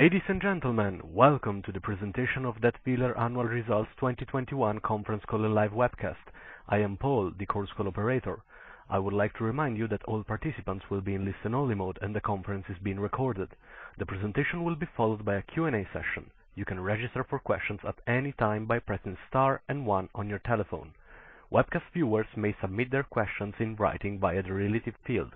Ladies and gentlemen, welcome to the presentation of Dätwyler Annual Results 2021 conference call and live webcast. I am Paul, the Chorus Call operator. I would like to remind you that all participants will be in listen-only mode, and the conference is being recorded. The presentation will be followed by a Q&A session. You can register for questions at any time by pressing star and one on your telephone. Webcast viewers may submit their questions in writing via the relevant field.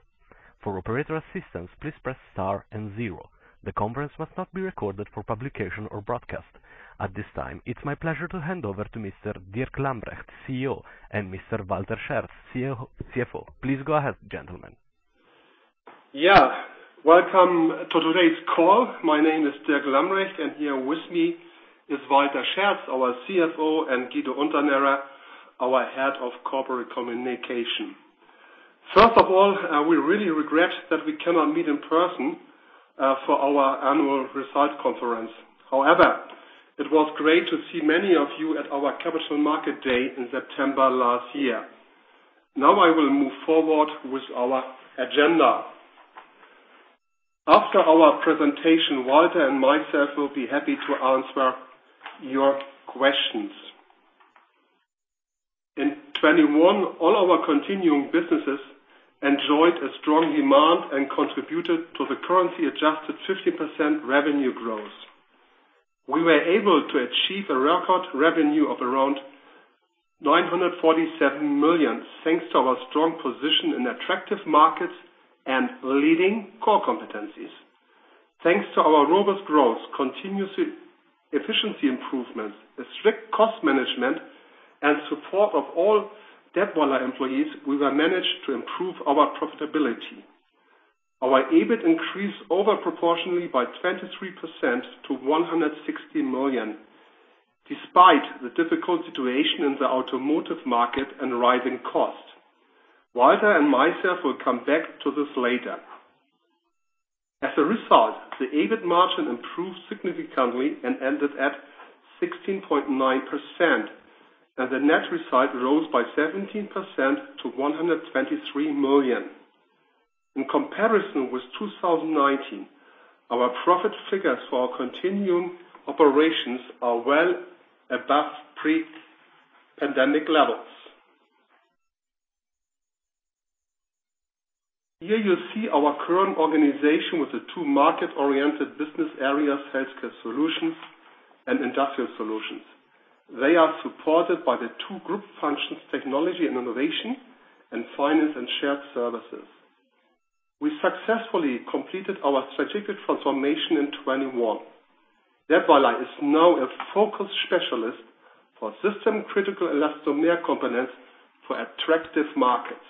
For operator assistance, please press star and zero. The conference must not be recorded for publication or broadcast. At this time, it's my pleasure to hand over to Mr. Dirk Lambrecht, CEO, and Mr. Walter Scherz, CFO. Please go ahead, gentlemen. Yeah. Welcome to today's call. My name is Dirk Lambrecht, and here with me is Walter Scherz, our CFO, and Guido Unternährer, our Head of Corporate Communication. First of all, we really regret that we cannot meet in person for our annual results conference. However, it was great to see many of you at our Capital Markets Day in September last year. Now I will move forward with our agenda. After our presentation, Walter and myself will be happy to answer your questions. In 2021, all our continuing businesses enjoyed a strong demand and contributed to the currency-adjusted 50% revenue growth. We were able to achieve a record revenue of around 947 million, thanks to our strong position in attractive markets and leading core competencies. Thanks to our robust growth, continuous efficiency improvements, a strict cost management, and support of all Dätwyler employees, we have managed to improve our profitability. Our EBIT increased over proportionally by 23% to 160 million, despite the difficult situation in the automotive market and rising costs. Walter and myself will come back to this later. As a result, the EBIT margin improved significantly and ended at 16.9%, and the net result rose by 17% to 123 million. In comparison with 2019, our profit figures for our continuing operations are well above pre-pandemic levels. Here you see our current organization with the two market-oriented business areas, Healthcare Solutions and Industrial Solutions. They are supported by the two group functions, Technology and Innovation, and Finance and Shared Services. We successfully completed our strategic transformation in 2021. Dätwyler is now a focused specialist for system-critical elastomer components for attractive markets.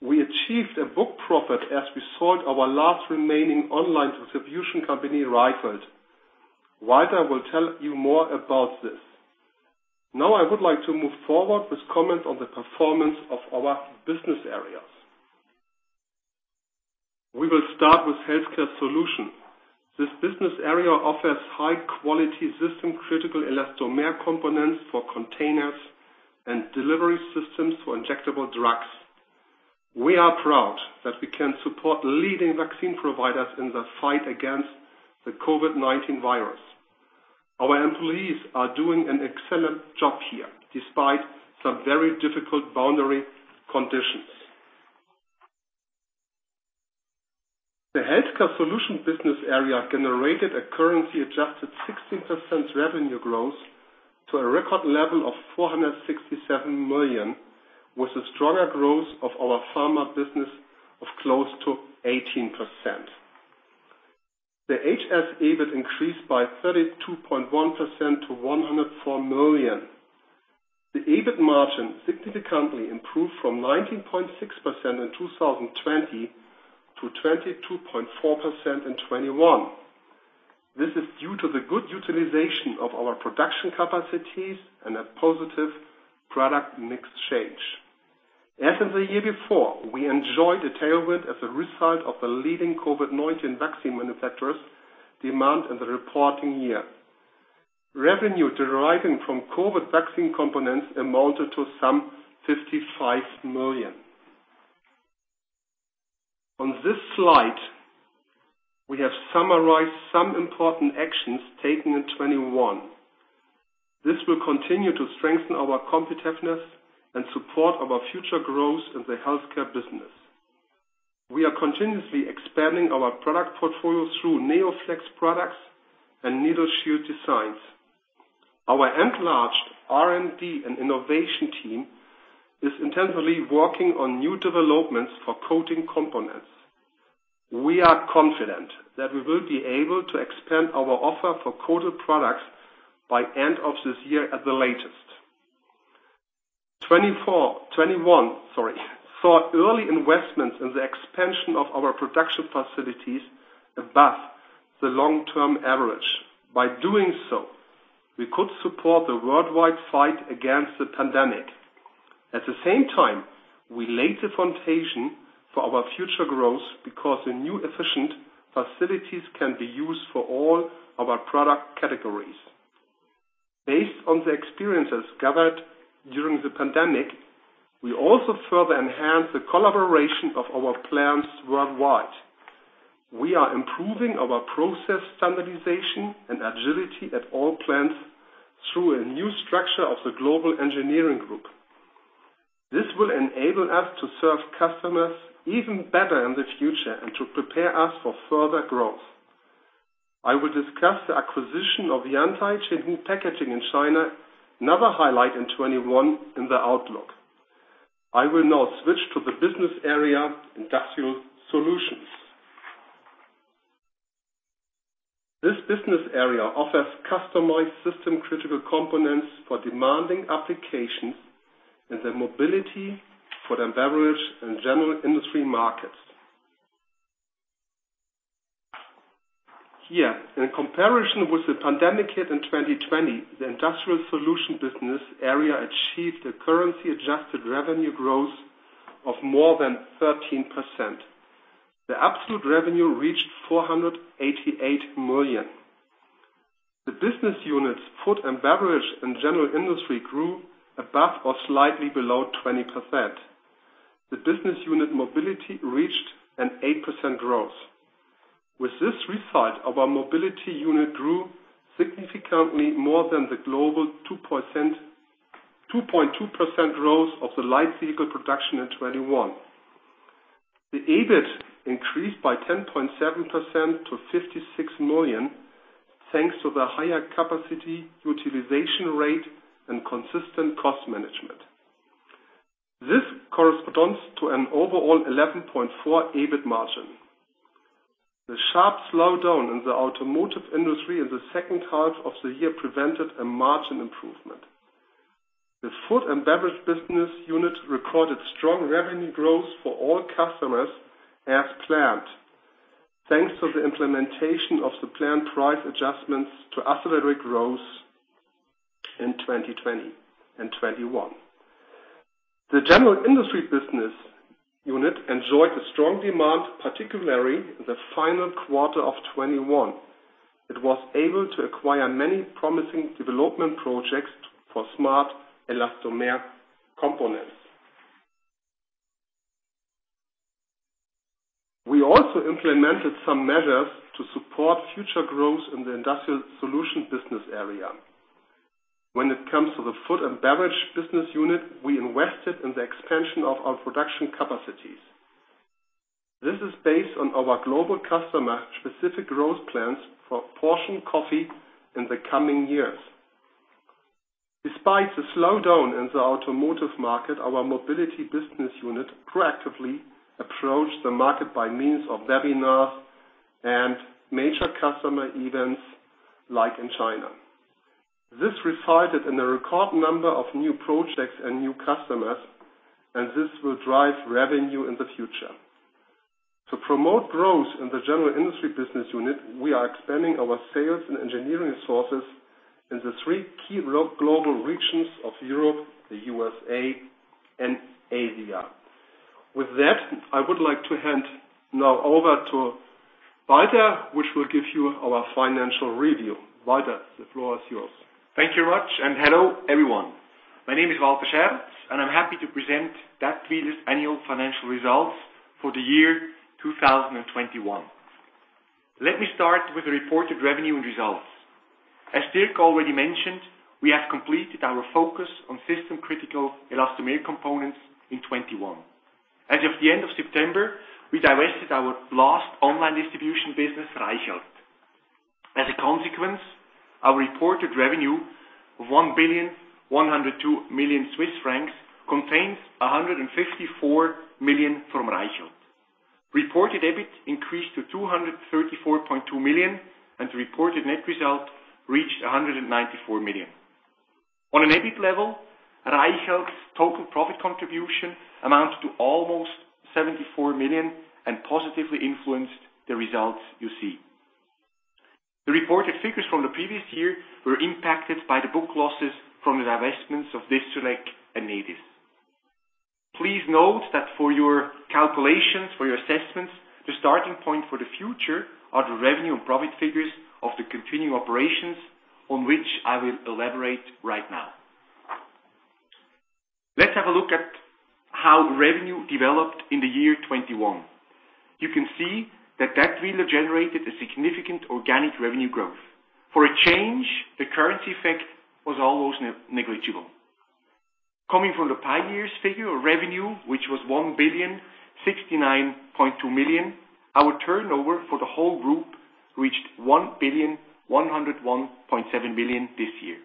We achieved a book profit as we sold our last remaining online distribution company, Reichelt. Walter will tell you more about this. Now I would like to move forward with comments on the performance of our business areas. We will start with Healthcare Solutions. This business area offers high-quality system-critical elastomer components for containers and delivery systems for injectable drugs. We are proud that we can support leading vaccine providers in the fight against the COVID-19 virus. Our employees are doing an excellent job here, despite some very difficult boundary conditions. The Healthcare Solutions business area generated a currency-adjusted 16% revenue growth to a record level of 467 million, with a stronger growth of our pharma business of close to 18%. The HS EBIT increased by 32.1% to 104 million. The EBIT margin significantly improved from 19.6% in 2020 to 22.4% in 2021. This is due to the good utilization of our production capacities and a positive product mix change. As of the year before, we enjoyed a tailwind as a result of the leading COVID-19 vaccine manufacturers' demand in the reporting year. Revenue deriving from COVID vaccine components amounted to some 55 million. On this slide, we have summarized some important actions taken in 2021. This will continue to strengthen our competitiveness and support our future growth in the healthcare business. We are continuously expanding our product portfolio through NeoFlex products and needle shield designs. Our enlarged R&D and innovation team is intensively working on new developments for coating components. We are confident that we will be able to expand our offer for coated products by end of this year at the latest. 2021, sorry, saw early investments in the expansion of our production facilities above the long-term average. By doing so, we could support the worldwide fight against the pandemic. At the same time, we laid the foundation for our future growth because the new efficient facilities can be used for all of our product categories. Based on the experiences gathered during the pandemic, we also further enhanced the collaboration of our plants worldwide. We are improving our process standardization and agility at all plants through a new structure of the global engineering group. This will enable us to serve customers even better in the future and to prepare us for further growth. I will discuss the acquisition of the Yantai Xinhui Packing in China, another highlight in 2021 in the outlook. I will now switch to the business area, Industrial Solutions. This business area offers customized system-critical components for demanding applications in the mobility, beverage, and general industry markets. Here, in comparison with the pandemic hit in 2020, the Industrial Solutions business area achieved a currency-adjusted revenue growth of more than 13%. The absolute revenue reached 488 million. The business units, Food and Beverage and General Industry, grew above or slightly below 20%. The business unit, Mobility, reached an 8% growth. With this result, our mobility unit grew significantly more than the global 2.2% growth of the light vehicle production in 2021. The EBIT increased by 10.7% to 56 million, thanks to the higher capacity utilization rate and consistent cost management. This corresponds to an overall 11.4% EBIT margin. The sharp slowdown in the automotive industry in the second half of the year prevented a margin improvement. The Food and Beverage business unit recorded strong revenue growth for all customers as planned, thanks to the implementation of the planned price adjustments to accelerated growth in 2020 and 2021. The General Industry business unit enjoyed a strong demand, particularly in the final quarter of 2021. It was able to acquire many promising development projects for smart elastomer components. We also implemented some measures to support future growth in the Industrial Solutions business area. When it comes to the Food and Beverage business unit, we invested in the expansion of our production capacities. This is based on our global customer specific growth plans for portion coffee in the coming years. Despite the slowdown in the automotive market, our mobility business unit proactively approached the market by means of webinars and major customer events, like in China. This resulted in a record number of new projects and new customers, and this will drive revenue in the future. To promote growth in the General Industry business unit, we are expanding our sales and engineering sources in the three key global regions of Europe, the USA, and Asia. With that, I would like to hand now over to Walter, which will give you our financial review. Walter, the floor is yours. Thank you, Dirk, and hello, everyone. My name is Walter Scherz, and I'm happy to present Dätwyler's annual financial results for the year 2021. Let me start with the reported revenue and results. As Dirk already mentioned, we have completed our focus on system critical elastomer components in 2021. As of the end of September, we divested our last online distribution business, Reichelt. As a consequence, our reported revenue, 1,102 million Swiss francs, contains 154 million from Reichelt. Reported EBIT increased to 234.2 million, and the reported net result reached 194 million. On an EBIT level, Reichelt's total profit contribution amounts to almost 74 million and positively influenced the results you see. The reported figures from the previous year were impacted by the book losses from the divestments of Distrelec and Nedis. Please note that for your calculations, for your assessments, the starting point for the future are the revenue and profit figures of the continuing operations on which I will elaborate right now. Let's have a look at how revenue developed in the year 2021. You can see that Dätwyler generated a significant organic revenue growth. For a change, the currency effect was almost negligible. Coming from the prior year's figure of revenue, which was 1,069.2 million, our turnover for the whole group reached 1,101.7 million this year.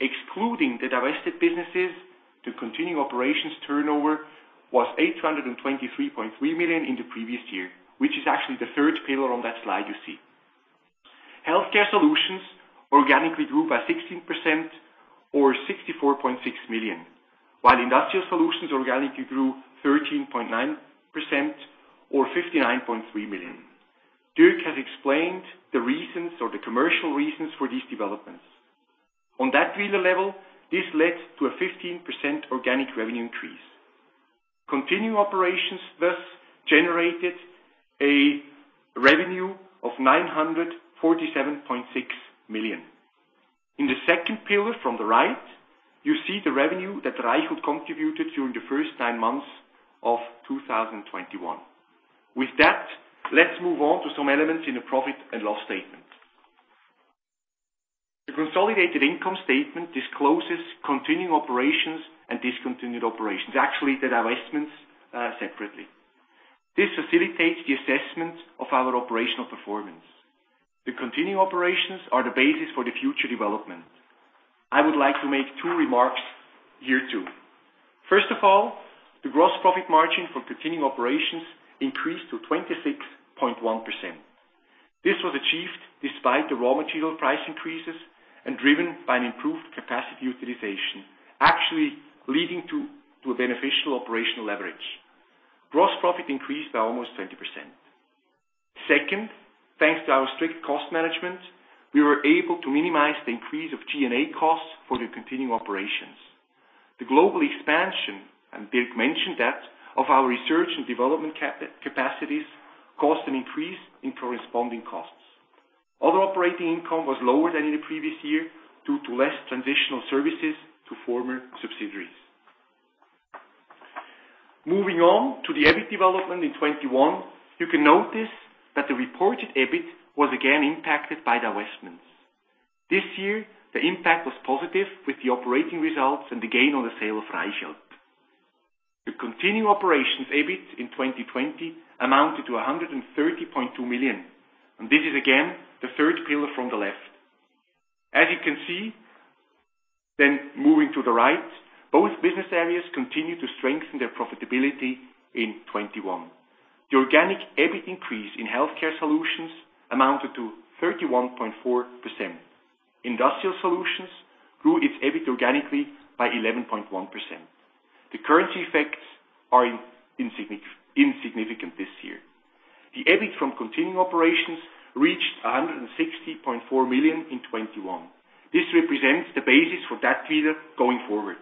Excluding the divested businesses, the continuing operations turnover was 823.3 million in the previous year, which is actually the third pillar on that slide you see. Healthcare Solutions organically grew by 16% or 64.6 million, while Industrial Solutions organically grew 13.9% or 59.3 million. Dirk has explained the reasons or the commercial reasons for these developments. On Dätwyler level, this led to a 15% organic revenue increase. Continuing operations thus generated a revenue of 947.6 million. In the second pillar from the right, you see the revenue that Reichelt contributed during the first nine months of 2021. With that, let's move on to some elements in the profit and loss statement. The consolidated income statement discloses continuing operations and discontinued operations, actually the divestments, separately. This facilitates the assessment of our operational performance. The continuing operations are the basis for the future development. I would like to make two remarks here, too. First of all, the gross profit margin for continuing operations increased to 26.1%. This was achieved despite the raw material price increases and driven by an improved capacity utilization, actually leading to a beneficial operational leverage. Gross profit increased by almost 20%. Second, thanks to our strict cost management, we were able to minimize the increase of G&A costs for the continuing operations. The global expansion, and Dirk mentioned that, of our research and development capacities caused an increase in corresponding costs. Other operating income was lower than in the previous year due to less transitional services to former subsidiaries. Moving on to the EBIT development in 2021, you can notice that the reported EBIT was again impacted by divestments. This year, the impact was positive with the operating results and the gain on the sale of Reichelt. The continuing operations EBIT in 2020 amounted to 130.2 million, and this is again the third pillar from the left. As you can see, then moving to the right, both business areas continued to strengthen their profitability in 2021. The organic EBIT increase in Healthcare Solutions amounted to 31.4%. Industrial Solutions grew its EBIT organically by 11.1%. The currency effects are insignificant this year. The EBIT from continuing operations reached 160.4 million in 2021. This represents the basis for that year going forward.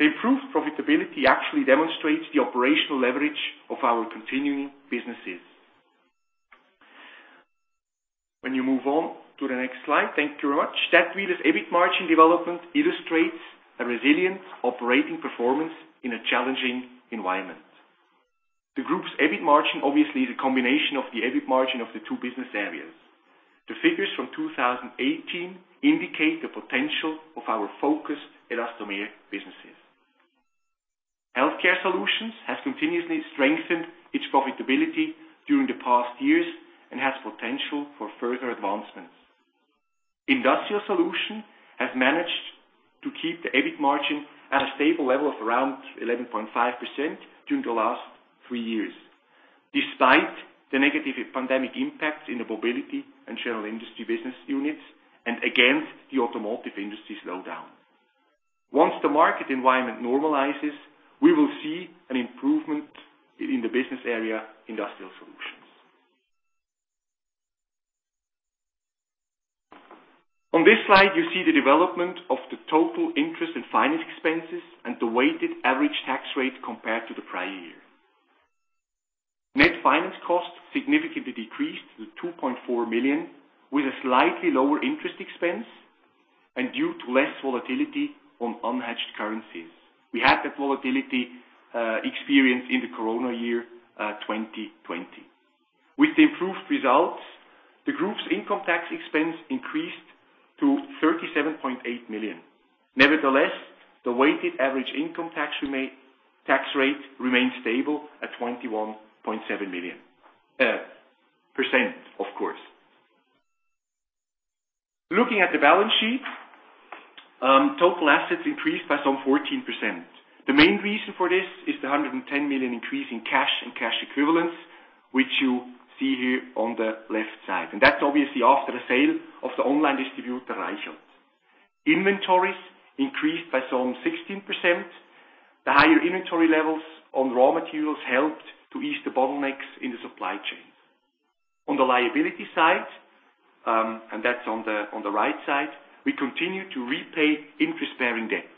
The improved profitability actually demonstrates the operational leverage of our continuing businesses. When you move on to the next slide, thank you very much. That year's EBIT margin development illustrates a resilient operating performance in a challenging environment. The group's EBIT margin, obviously, is a combination of the EBIT margin of the two business areas. The figures from 2018 indicate the potential of our focused elastomeric businesses. Healthcare Solutions has continuously strengthened its profitability during the past years and has potential for further advancements. Industrial Solutions has managed to keep the EBIT margin at a stable level of around 11.5% during the last three years, despite the negative pandemic impact in the mobility and general industry business units and against the automotive industry slowdown. Once the market environment normalizes, we will see an improvement in the business area, Industrial Solutions. On this slide, you see the development of the total interest and finance expenses and the weighted average tax rate compared to the prior year. Net finance costs significantly decreased to 2.4 million, with a slightly lower interest expense and due to less volatility on unhedged currencies. We had that volatility experience in the COVID-19 year, 2020. With the improved results, the group's income tax expense increased to 37.8 million. Nevertheless, the weighted average income tax rate remained stable at 21.7%, of course. Looking at the balance sheet, total assets increased by some 14%. The main reason for this is the 110 million increase in cash and cash equivalents, which you see here on the left side, and that's obviously after the sale of the online distributor, Reichelt. Inventories increased by some 16%. The higher inventory levels on raw materials helped to ease the bottlenecks in the supply chains. On the liability side, on the right side, we continue to repay interest-bearing debt.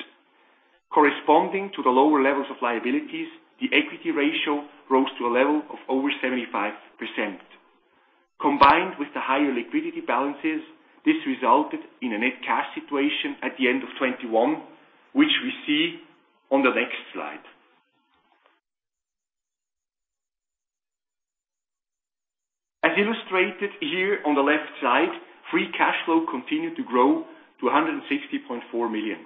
Corresponding to the lower levels of liabilities, the equity ratio rose to a level of over 75%. Combined with the higher liquidity balances, this resulted in a net cash situation at the end of 2021, which we see on the next slide. As illustrated here on the left side, free cash flow continued to grow to 160.4 million.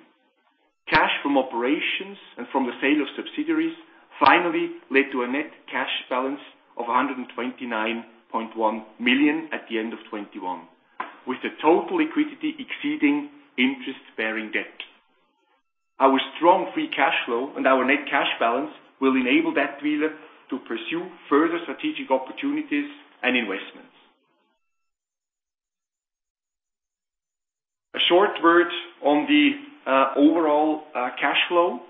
Cash from operations and from the sale of subsidiaries finally led to a net cash balance of 129.1 million at the end of 2021, with the total liquidity exceeding interest-bearing debt. Our strong free cash flow and our net cash balance will enable Dätwyler to pursue further strategic opportunities and investments. A short word on the overall cash flow.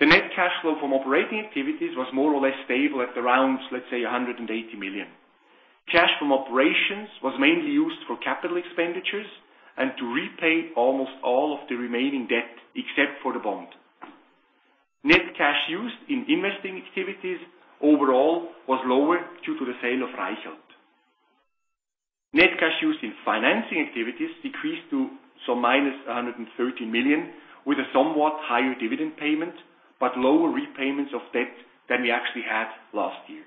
The net cash flow from operating activities was more or less stable at around, let's say, 180 million. Cash from operations was mainly used for capital expenditures and to repay almost all of the remaining debt, except for the bond. Net cash used in investing activities overall was lower due to the sale of Reichelt. Net cash used in financing activities decreased to minus 130 million, with a somewhat higher dividend payment, but lower repayments of debt than we actually had last year.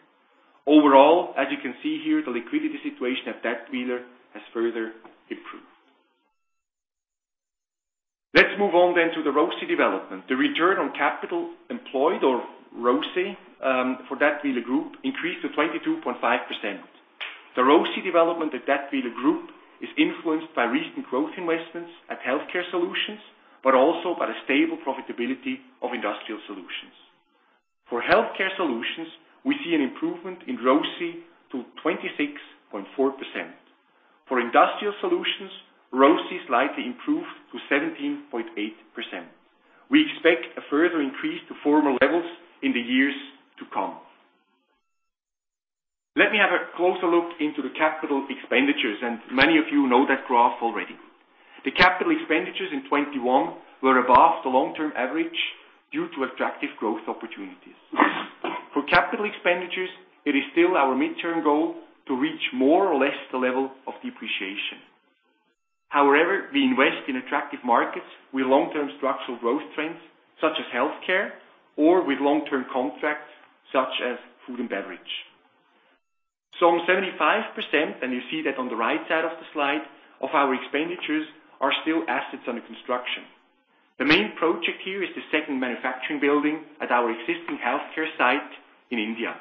Overall, as you can see here, the liquidity situation at Dätwyler has further improved. Let's move on to the ROCE development. The return on capital employed or ROCE for Dätwyler Group increased to 22.5%. The ROCE development at Dätwyler Group is influenced by recent growth investments at Healthcare Solutions, but also by the stable profitability of Industrial Solutions. For Healthcare Solutions, we see an improvement in ROCE to 26.4%. For Industrial Solutions, ROCE slightly improved to 17.8%. We expect a further increase to former levels in the years to come. Let me have a closer look into the capital expenditures, and many of you know that graph already. The capital expenditures in 2021 were above the long-term average due to attractive growth opportunities. For capital expenditures, it is still our midterm goal to reach more or less the level of depreciation. However, we invest in attractive markets with long-term structural growth trends, such as healthcare or with long-term contracts, such as food and beverage. Some 75%, and you see that on the right side of the slide, of our expenditures are still assets under construction. The main project here is the second manufacturing building at our existing healthcare site in India.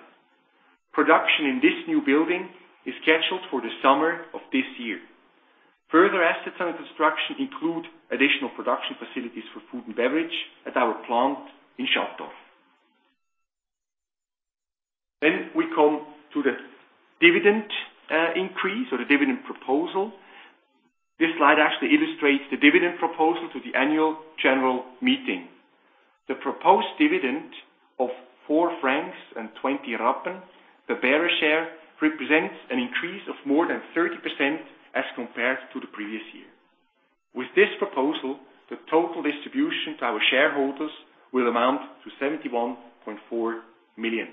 Production in this new building is scheduled for the summer of this year. Further assets under construction include additional production facilities for food and beverage at our plant in Schattdorf. We come to the dividend increase or the dividend proposal. This slide actually illustrates the dividend proposal to the annual general meeting. The proposed dividend of 4.20 francs, the bearer share, represents an increase of more than 30% as compared to the previous year. With this proposal, the total distribution to our shareholders will amount to 71.4 million.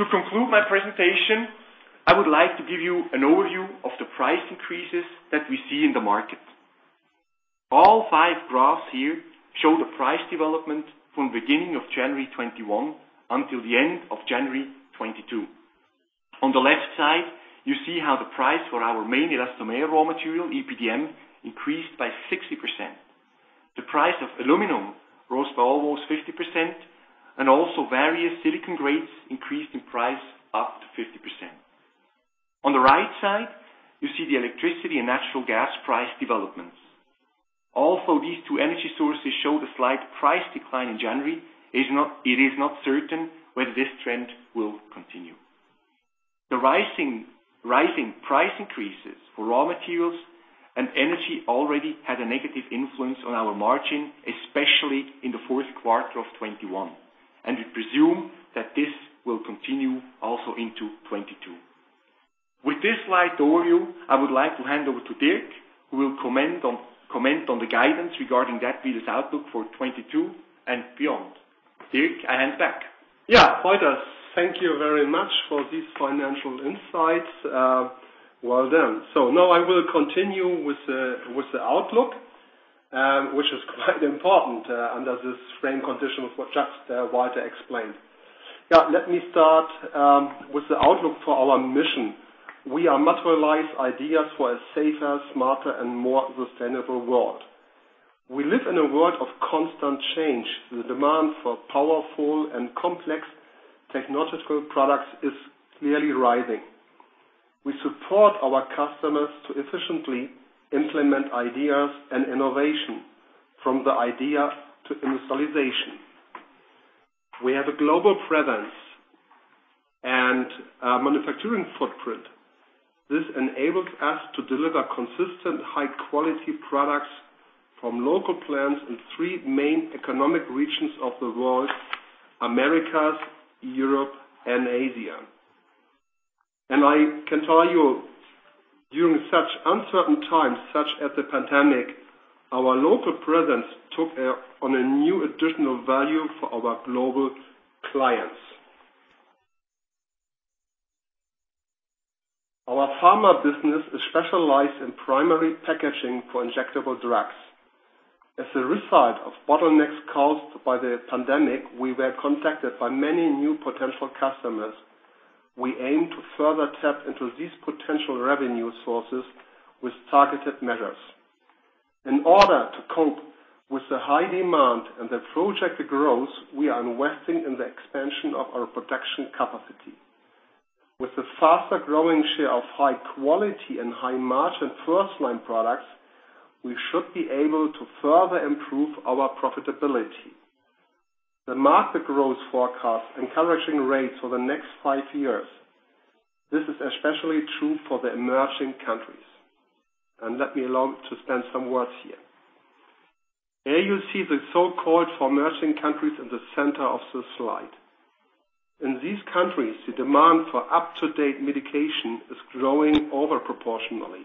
To conclude my presentation, I would like to give you an overview of the price increases that we see in the market. All five graphs here show the price development from beginning of January 2021 until the end of January 2022. On the left side, you see how the price for our main elastomer raw material, EPDM, increased by 60%. The price of aluminum rose by almost 50%, and also various silicon grades increased in price up to 50%. On the right side, you see the electricity and natural gas price developments. Also, these two energy sources show the slight price decline in January. It is not certain whether this trend will continue. The rising price increases for raw materials and energy already had a negative influence on our margin, especially in the fourth quarter of 2021. We presume that this will continue also into 2022. With this slide overview, I would like to hand over to Dirk, who will comment on the guidance regarding Dätwyler's outlook for 2022 and beyond. Dirk, I hand back. Walter, thank you very much for these financial insights. Well done. Now I will continue with the outlook, which is quite important under this frame condition of what Walter explained. Let me start with the outlook for our mission. We materialize ideas for a safer, smarter, and more sustainable world. We live in a world of constant change. The demand for powerful and complex technological products is clearly rising. We support our customers to efficiently implement ideas and innovation from the idea to industrialization. We have a global presence and manufacturing footprint. This enables us to deliver consistent high-quality products from local plants in three main economic regions of the world, Americas, Europe, and Asia. I can tell you, during such uncertain times, such as the pandemic, our local presence took on a new additional value for our global clients. Our pharma business is specialized in primary packaging for injectable drugs. As a result of bottlenecks caused by the pandemic, we were contacted by many new potential customers. We aim to further tap into these potential revenue sources with targeted measures. In order to cope with the high demand and the projected growth, we are investing in the expansion of our production capacity. With the faster growing share of high quality and high margin first line products, we should be able to further improve our profitability. The market growth forecasts encouraging rates for the next five years. This is especially true for the emerging countries. Let me allow to spend some words here. Here you see the so-called Far Eastern countries in the center of the slide. In these countries, the demand for up-to-date medication is growing over proportionally.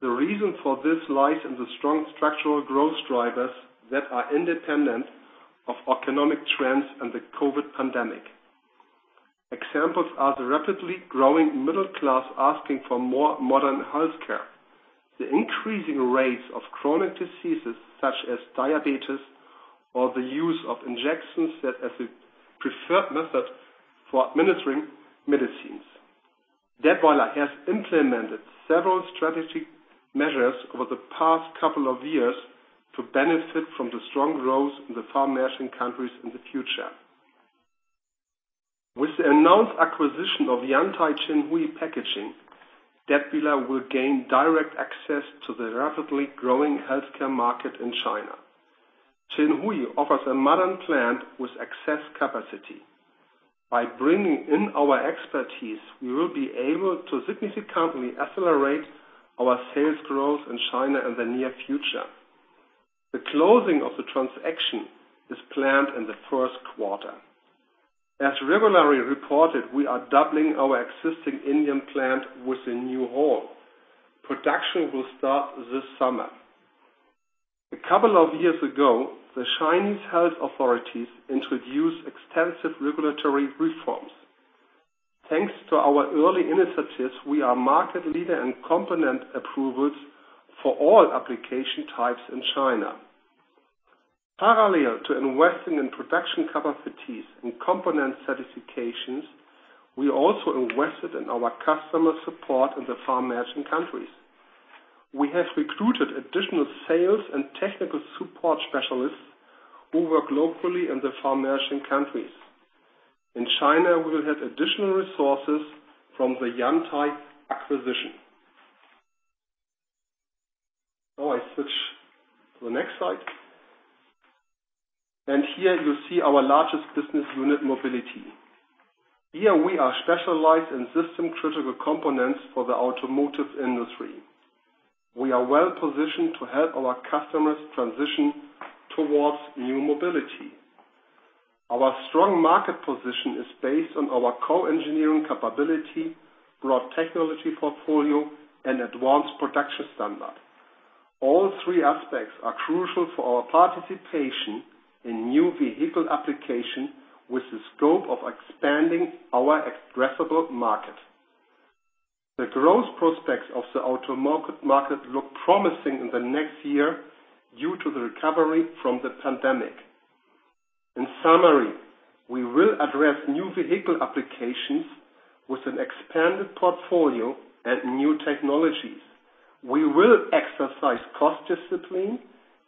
The reason for this lies in the strong structural growth drivers that are independent of economic trends and the COVID pandemic. Examples are the rapidly growing middle class asking for more modern healthcare, the increasing rates of chronic diseases such as diabetes or the use of injections as a preferred method for administering medicines. Dätwyler has implemented several strategic measures over the past couple of years to benefit from the strong growth in the Far Eastern countries in the future. With the announced acquisition of the Yantai Xinhui Packing, Dätwyler will gain direct access to the rapidly growing healthcare market in China. Xinhui offers a modern plant with excess capacity. By bringing in our expertise, we will be able to significantly accelerate our sales growth in China in the near future. The closing of the transaction is planned in the first quarter. As regularly reported, we are doubling our existing Indian plant with a new hall. Production will start this summer. A couple of years ago, the Chinese health authorities introduced extensive regulatory reforms. Thanks to our early initiatives, we are market leader in component approvals for all application types in China. Parallel to investing in production capacities and component certifications, we also invested in our customer support in the Far Eastern countries. We have recruited additional sales and technical support specialists who work locally in the Far Eastern countries. In China, we will have additional resources from the Yantai acquisition. Now I switch to the next slide. Here you see our largest business unit, Mobility. Here we are specialized in system-critical components for the automotive industry. We are well-positioned to help our customers transition towards new mobility. Our strong market position is based on our co-engineering capability, broad technology portfolio, and advanced production standards. All three aspects are crucial for our participation in new vehicle application with the scope of expanding our addressable market. The growth prospects of the auto market look promising in the next year due to the recovery from the pandemic. In summary, we will address new vehicle applications with an expanded portfolio and new technologies. We will exercise cost discipline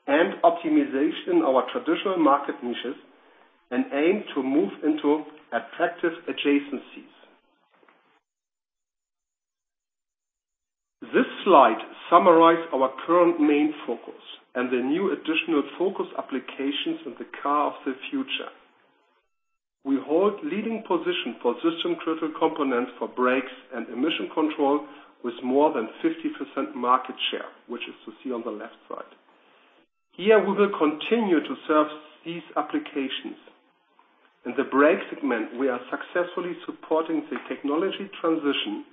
and optimization in our traditional market niches and aim to move into attractive adjacencies. This slide summarize our current main focus and the new additional focus applications in the car of the future. We hold leading position for system-critical components for brakes and emission control with more than 50% market share, which is to see on the left side. Here, we will continue to serve these applications. In the brake segment, we are successfully supporting the technology transition,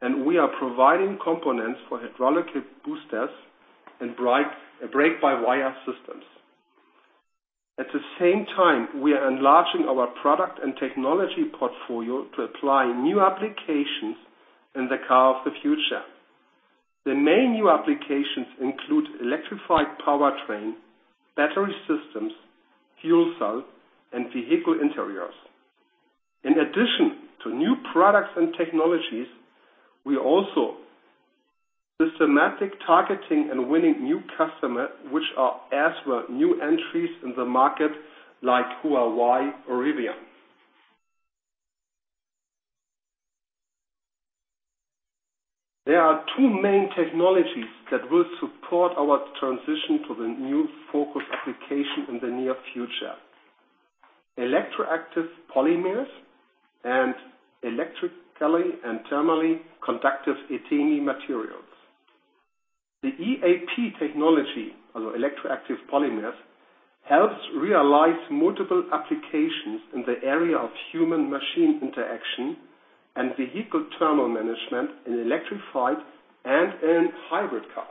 and we are providing components for hydraulic boosters and brake-by-wire systems. At the same time, we are enlarging our product and technology portfolio to apply new applications in the car of the future. The main new applications include electrified powertrain, battery systems, fuel cell, and vehicle interiors. In addition to new products and technologies, we also be systematic targeting and winning new customer, which are as well new entries in the market like Huawei or Rivian. There are two main technologies that will support our transition to the new focus application in the near future. Electroactive polymers and electrically and thermally conductive ETEMI materials. The EAP technology, or electroactive polymers, helps realize multiple applications in the area of human machine interaction and vehicle thermal management in electrified and hybrid cars.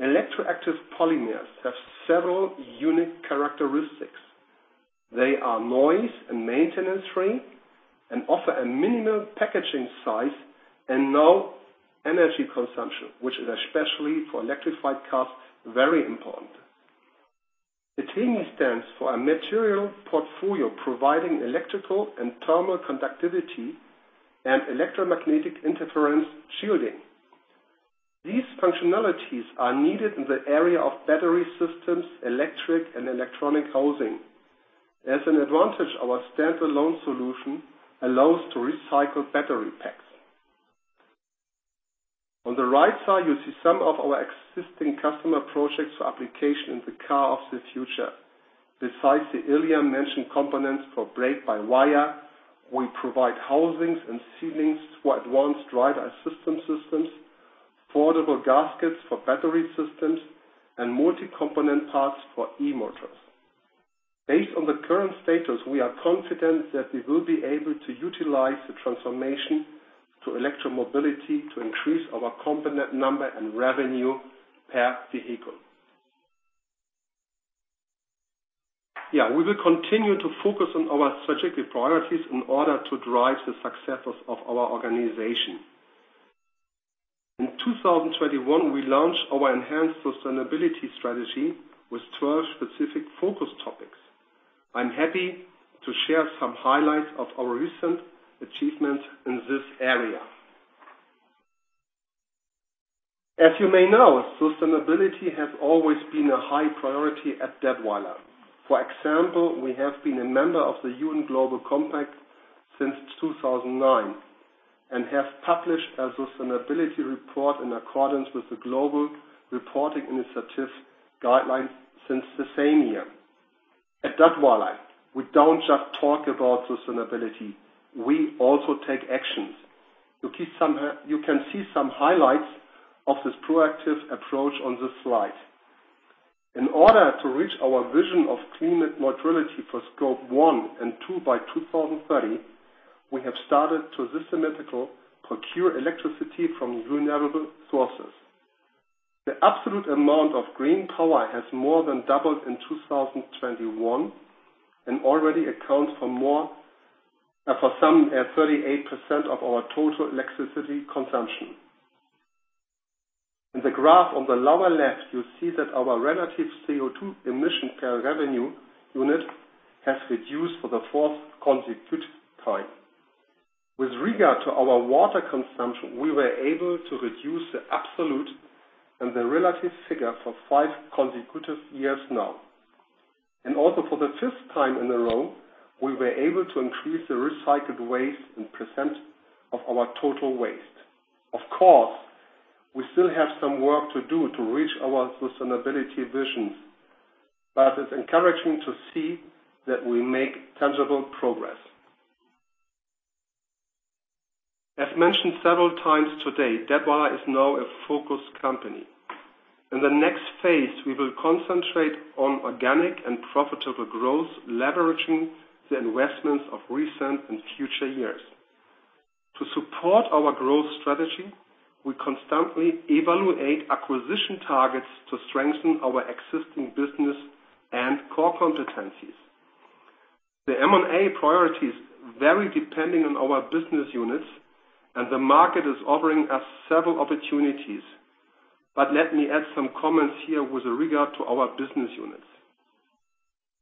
Electroactive polymers have several unique characteristics. They are noise and maintenance-free and offer a minimal packaging size and low energy consumption, which is especially for electrified cars, very important. ETEMI stands for a material portfolio providing electrical and thermal conductivity and electromagnetic interference shielding. These functionalities are needed in the area of battery systems, electric and electronic housing. As an advantage, our standalone solution allows to recycle battery packs. On the right side, you see some of our existing customer projects for application in the car of the future. Besides the earlier mentioned components for brake-by-wire, we provide housings and ceilings for advanced driver assistance systems, foldable gaskets for battery systems, and multi-component parts for e-motors. Based on the current status, we are confident that we will be able to utilize the transformation to electric mobility to increase our component number and revenue per vehicle. Yeah, we will continue to focus on our strategic priorities in order to drive the successes of our organization. In 2021, we launched our enhanced sustainability strategy with 12 specific focus topics. I'm happy to share some highlights of our recent achievements in this area. As you may know, sustainability has always been a high priority at Dätwyler. For example, we have been a member of the UN Global Compact since 2009, and have published a sustainability report in accordance with the Global Reporting Initiative guidelines since the same year. At Dätwyler, we don't just talk about sustainability, we also take actions. You can see some highlights of this proactive approach on this slide. In order to reach our vision of climate neutrality for scope one and two by 2030, we have started to systematically procure electricity from renewable sources. The absolute amount of green power has more than doubled in 2021, and already accounts for more, for some, 38% of our total electricity consumption. In the graph on the lower left, you see that our relative CO2 emission per revenue unit has reduced for the fourth consecutive time. With regard to our water consumption, we were able to reduce the absolute and the relative figure for five consecutive years now. Also for the fifth time in a row, we were able to increase the recycled waste in percent of our total waste. Of course, we still have some work to do to reach our sustainability visions, but it's encouraging to see that we make tangible progress. As mentioned several times today, Dätwyler is now a focused company. In the next phase, we will concentrate on organic and profitable growth, leveraging the investments of recent and future years. To support our growth strategy, we constantly evaluate acquisition targets to strengthen our existing business and core competencies. The M&A priorities vary depending on our business units and the market is offering us several opportunities. Let me add some comments here with regard to our business units.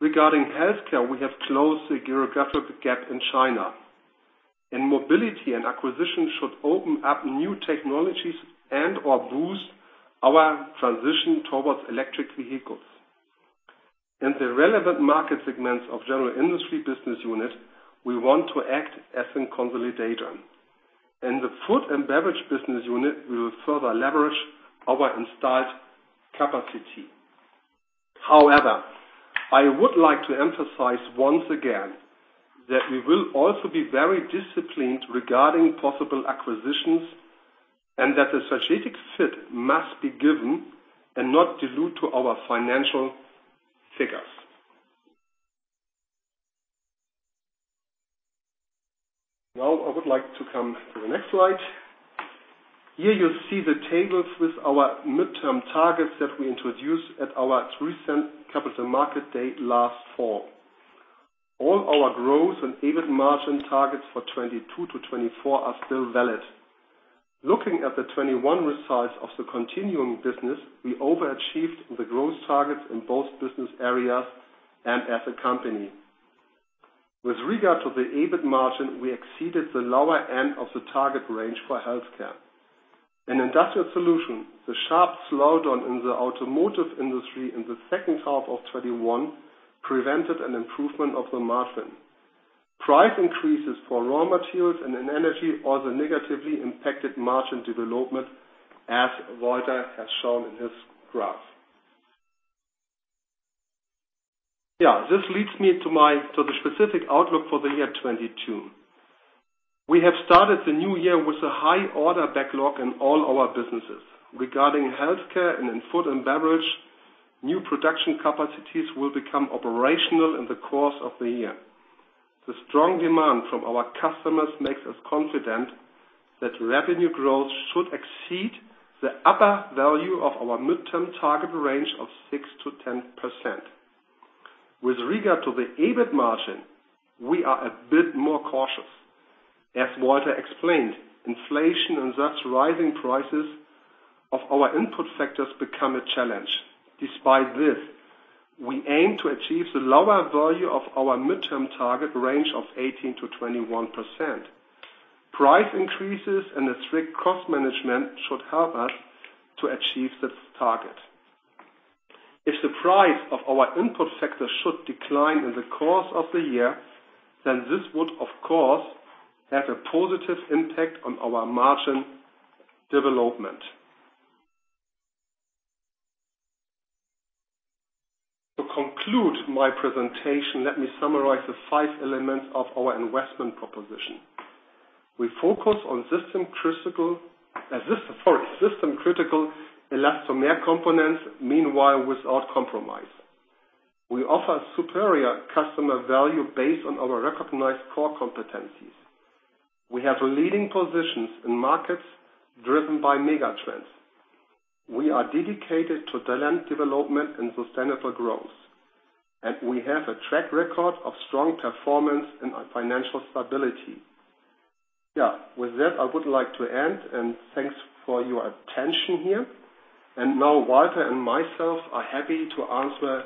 Regarding healthcare, we have closed the geographic gap in China. In mobility, an acquisition should open up new technologies and/or boost our transition towards electric vehicles. In the relevant market segments of General Industry business unit, we want to act as a consolidator. In the Food and Beverage business unit, we will further leverage our installed capacity. However, I would like to emphasize once again that we will also be very disciplined regarding possible acquisitions and that the strategic fit must be given and not dilute to our financial figures. Now I would like to come to the next slide. Here you see the tables with our midterm targets that we introduced at our recent Capital Markets Day last fall. All our growth and EBIT margin targets for 2022-2024 are still valid. Looking at the 2021 results of the continuing business, we overachieved the growth targets in both business areas and as a company. With regard to the EBIT margin, we exceeded the lower end of the target range for Healthcare. In Industrial Solutions, the sharp slowdown in the automotive industry in the second half of 2021 prevented an improvement of the margin. Price increases for raw materials and in energy also negatively impacted margin development, as Walter has shown in his graph. Yeah, this leads me to my, to the specific outlook for the year 2022. We have started the new year with a high order backlog in all our businesses. Regarding Healthcare and in Food and Beverage, new production capacities will become operational in the course of the year. The strong demand from our customers makes us confident that revenue growth should exceed the upper value of our midterm target range of 6%-10%. With regard to the EBIT margin, we are a bit more cautious. As Walter explained, inflation and thus rising prices of our input factors become a challenge. Despite this, we aim to achieve the lower value of our midterm target range of 18%-21%. Price increases and a strict cost management should help us to achieve this target. If the price of our input factors should decline in the course of the year, then this would, of course, have a positive impact on our margin development. To conclude my presentation, let me summarize the five elements of our investment proposition. We focus on system-critical elastomer components, meanwhile, without compromise. We offer superior customer value based on our recognized core competencies. We have leading positions in markets driven by mega trends. We are dedicated to talent development and sustainable growth. We have a track record of strong performance and financial stability. Yeah. With that, I would like to end, and thanks for your attention here. Now, Walter and myself are happy to answer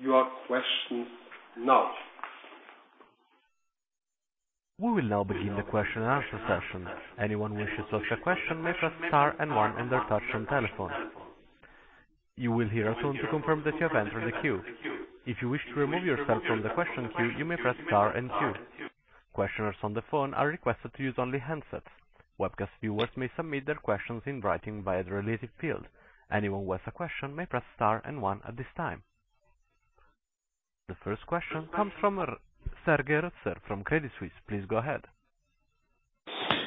your questions now. We will now begin the question and answer session. Anyone who wishes to ask a question may press star and one on their touch-tone telephone. You will hear a tone to confirm that you have entered the queue. If you wish to remove yourself from the question queue, you may press star and two. Questioners on the phone are requested to use only handsets. Webcast viewers may submit their questions in writing via the related field. Anyone who has a question may press star and one at this time. The first question comes from Serge Rotzer from Credit Suisse. Please go ahead.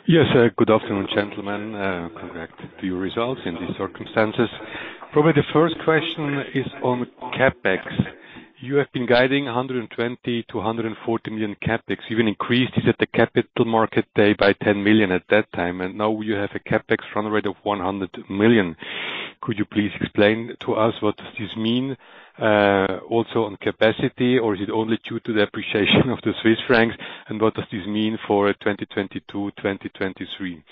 Yes, sir. Good afternoon, gentlemen. Congrats to your results in these circumstances. Probably the first question is on CapEx. You have been guiding 120 million-140 million CapEx. You even increased it at the Capital Markets Day by 10 million at that time, and now you have a CapEx run rate of 100 million. Could you please explain to us what does this mean, also on capacity, or is it only due to the appreciation of the Swiss francs, and what does this mean for 2022, 2023?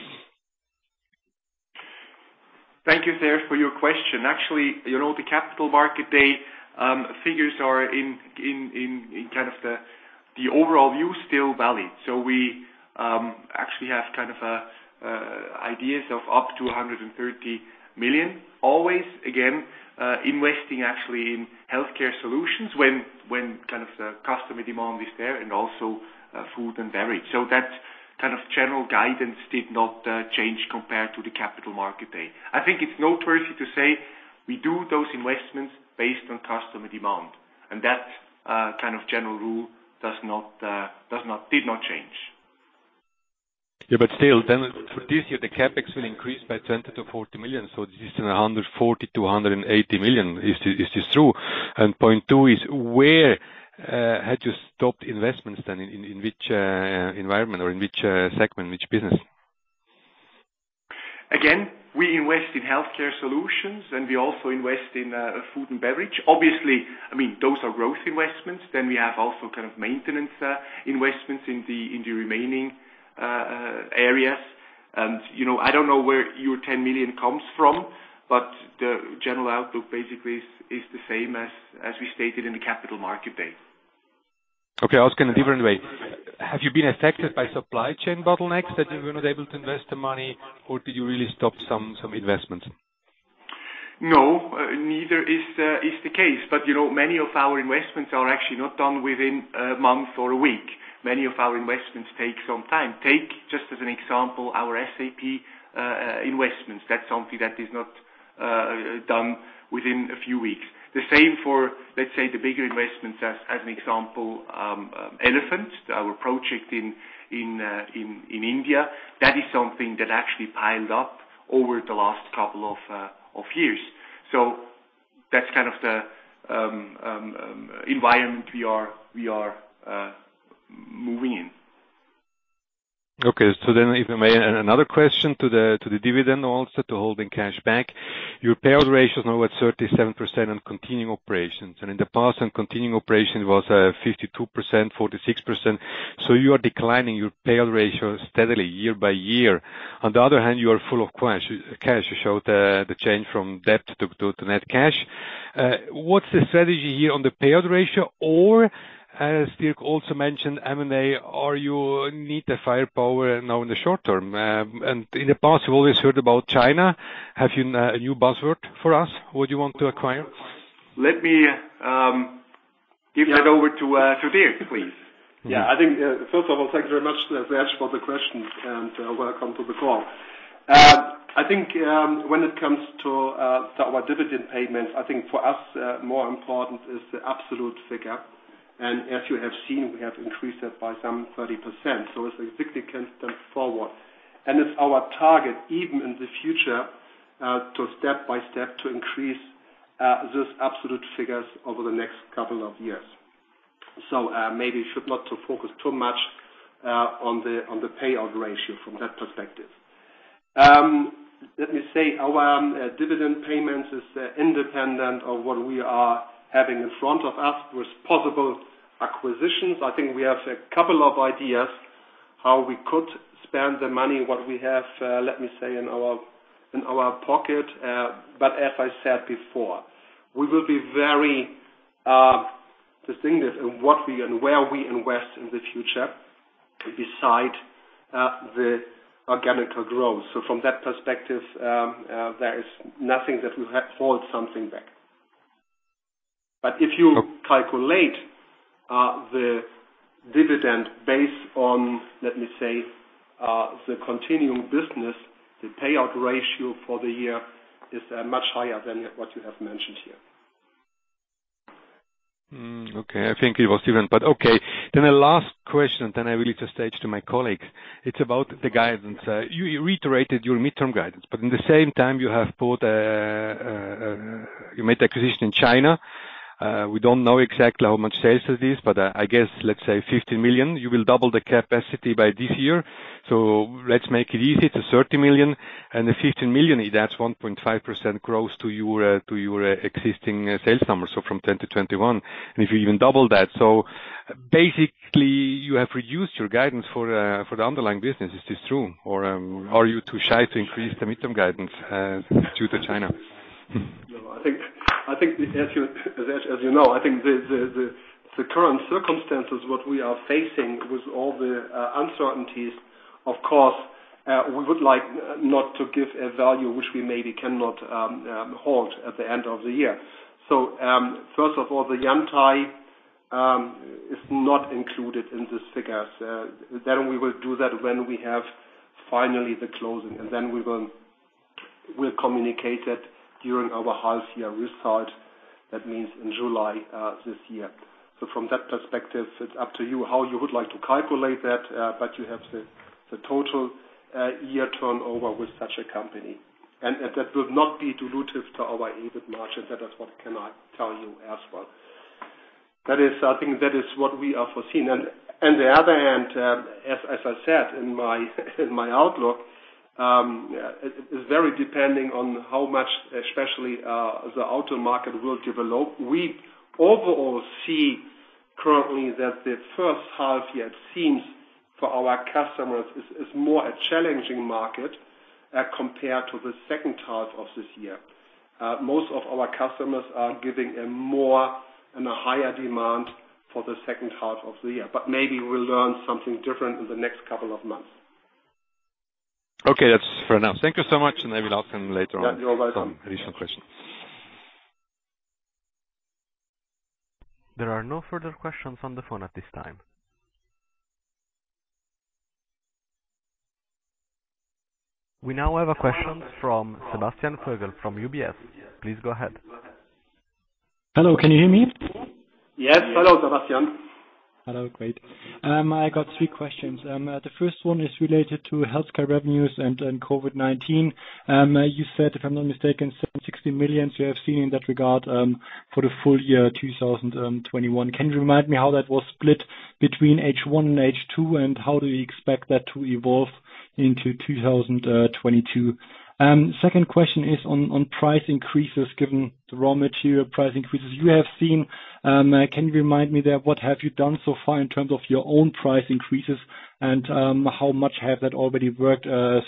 Thank you, sir, for your question. Actually, you know, the Capital Markets Day figures are in kind of the overall view still valid. We actually have kind of ideas of up to 130 million. Always, again, investing actually in Healthcare Solutions when kind of the customer demand is there, and also food and beverage. That kind of general guidance did not change compared to the Capital Markets Day. I think it's noteworthy to say we do those investments based on customer demand, and that kind of general rule did not change. Yeah, still, for this year, the CapEx will increase by 20 million-40 million, so this is 140 million-180 million. Is this true? Point two is where had you stopped investments then, in which environment or in which segment, which business? Again, we invest in Healthcare Solutions, and we also invest in food and beverage. Obviously, I mean, those are growth investments. We have also kind of maintenance investments in the remaining areas. You know, I don't know where your 10 million comes from, but the general outlook basically is the same as we stated in the Capital Markets Day. Okay, I'll ask in a different way. Have you been affected by supply chain bottlenecks that you were not able to invest the money, or did you really stop some investments? No, neither is the case. You know, many of our investments are actually not done within a month or a week. Many of our investments take some time. Take, just as an example, our SAP investments. That's something that is not done within a few weeks. The same for, let's say, the bigger investments, as an example, Elephant, our project in India. That is something that actually piled up over the last couple of years. That's kind of the environment we are moving in. Okay. If I may add another question to the dividend also, to holding cash back. Your payout ratio is now at 37% on continuing operations. In the past, on continuing operations, it was 52%, 46%. You are declining your payout ratio steadily year by year. On the other hand, you are full of cash. You showed the change from debt to net cash. What's the strategy here on the payout ratio? Or, as Dirk also mentioned, M&A, or you need the firepower now in the short term. In the past, we've always heard about China. Have you a new buzzword for us? Who do you want to acquire? Let me give that over to Dirk, please. Yeah. I think first of all, thank you very much, Serge, for the question, and welcome to the call. I think when it comes to our dividend payments, I think for us more important is the absolute figure. As you have seen, we have increased that by some 30%, so it's a significant step forward. It's our target, even in the future, to step-by-step to increase those absolute figures over the next couple of years. Maybe should not to focus too much on the payout ratio from that perspective. Let me say our dividend payments is independent of what we are having in front of us with possible acquisitions. I think we have a couple of ideas how we could spend the money, what we have, let me say, in our pocket. As I said before, we will be very distinctive in what we and where we invest in the future beside the organic growth. From that perspective, there is nothing that will hold something back. If you calculate the dividend based on, let me say, the continuing business, the payout ratio for the year is much higher than what you have mentioned here. I think it was even, but okay. The last question, I will leave the stage to my colleagues. It's about the guidance. You reiterated your midterm guidance, but at the same time you made acquisition in China. We don't know exactly how much sales it is, but I guess let's say 15 million. You will double the capacity by this year, so let's make it easy to 30 million. The fifteen million, that's 1.5% gross to your existing sales numbers, so from 10% to 21%. If you even double that, basically you have reduced your guidance for the underlying business. Is this true, or are you too shy to increase the midterm guidance due to China? No. I think as you know, I think the current circumstances what we are facing with all the uncertainties, of course, we would like not to give a value which we maybe cannot hold at the end of the year. First of all, the Yantai is not included in these figures. We will do that when we have finally the closing, and we will communicate it during our half-year result. That means in July this year. From that perspective, it's up to you how you would like to calculate that, but you have the total year turnover with such a company. That will not be dilutive to our EBIT margin. That is what we cannot tell you as well. I think that is what we are foreseeing. On the other hand, as I said in my outlook, it is very dependent on how much, especially, the auto market will develop. We overall see currently that the first half year it seems for our customers is more a challenging market, compared to the second half of this year. Most of our customers are giving a more and a higher demand for the second half of the year. Maybe we'll learn something different in the next couple of months. Okay. That's fair enough. Thank you so much, and maybe I'll come later on. Yeah. You are welcome. With some additional questions. There are no further questions on the phone at this time. We now have a question from Sebastian Vogel from UBS. Please go ahead. Hello. Can you hear me? Yes. Hello, Sebastian. Hello. Great. I got three questions. The first one is related to healthcare revenues and COVID-19. You said, if I'm not mistaken, 760 million you have seen in that regard, for the full year 2021. Can you remind me how that was split between H1 and H2, and how do you expect that to evolve into 2022? Second question is on price increases. Given the raw material price increases you have seen, can you remind me there what have you done so far in terms of your own price increases and how much has that already worked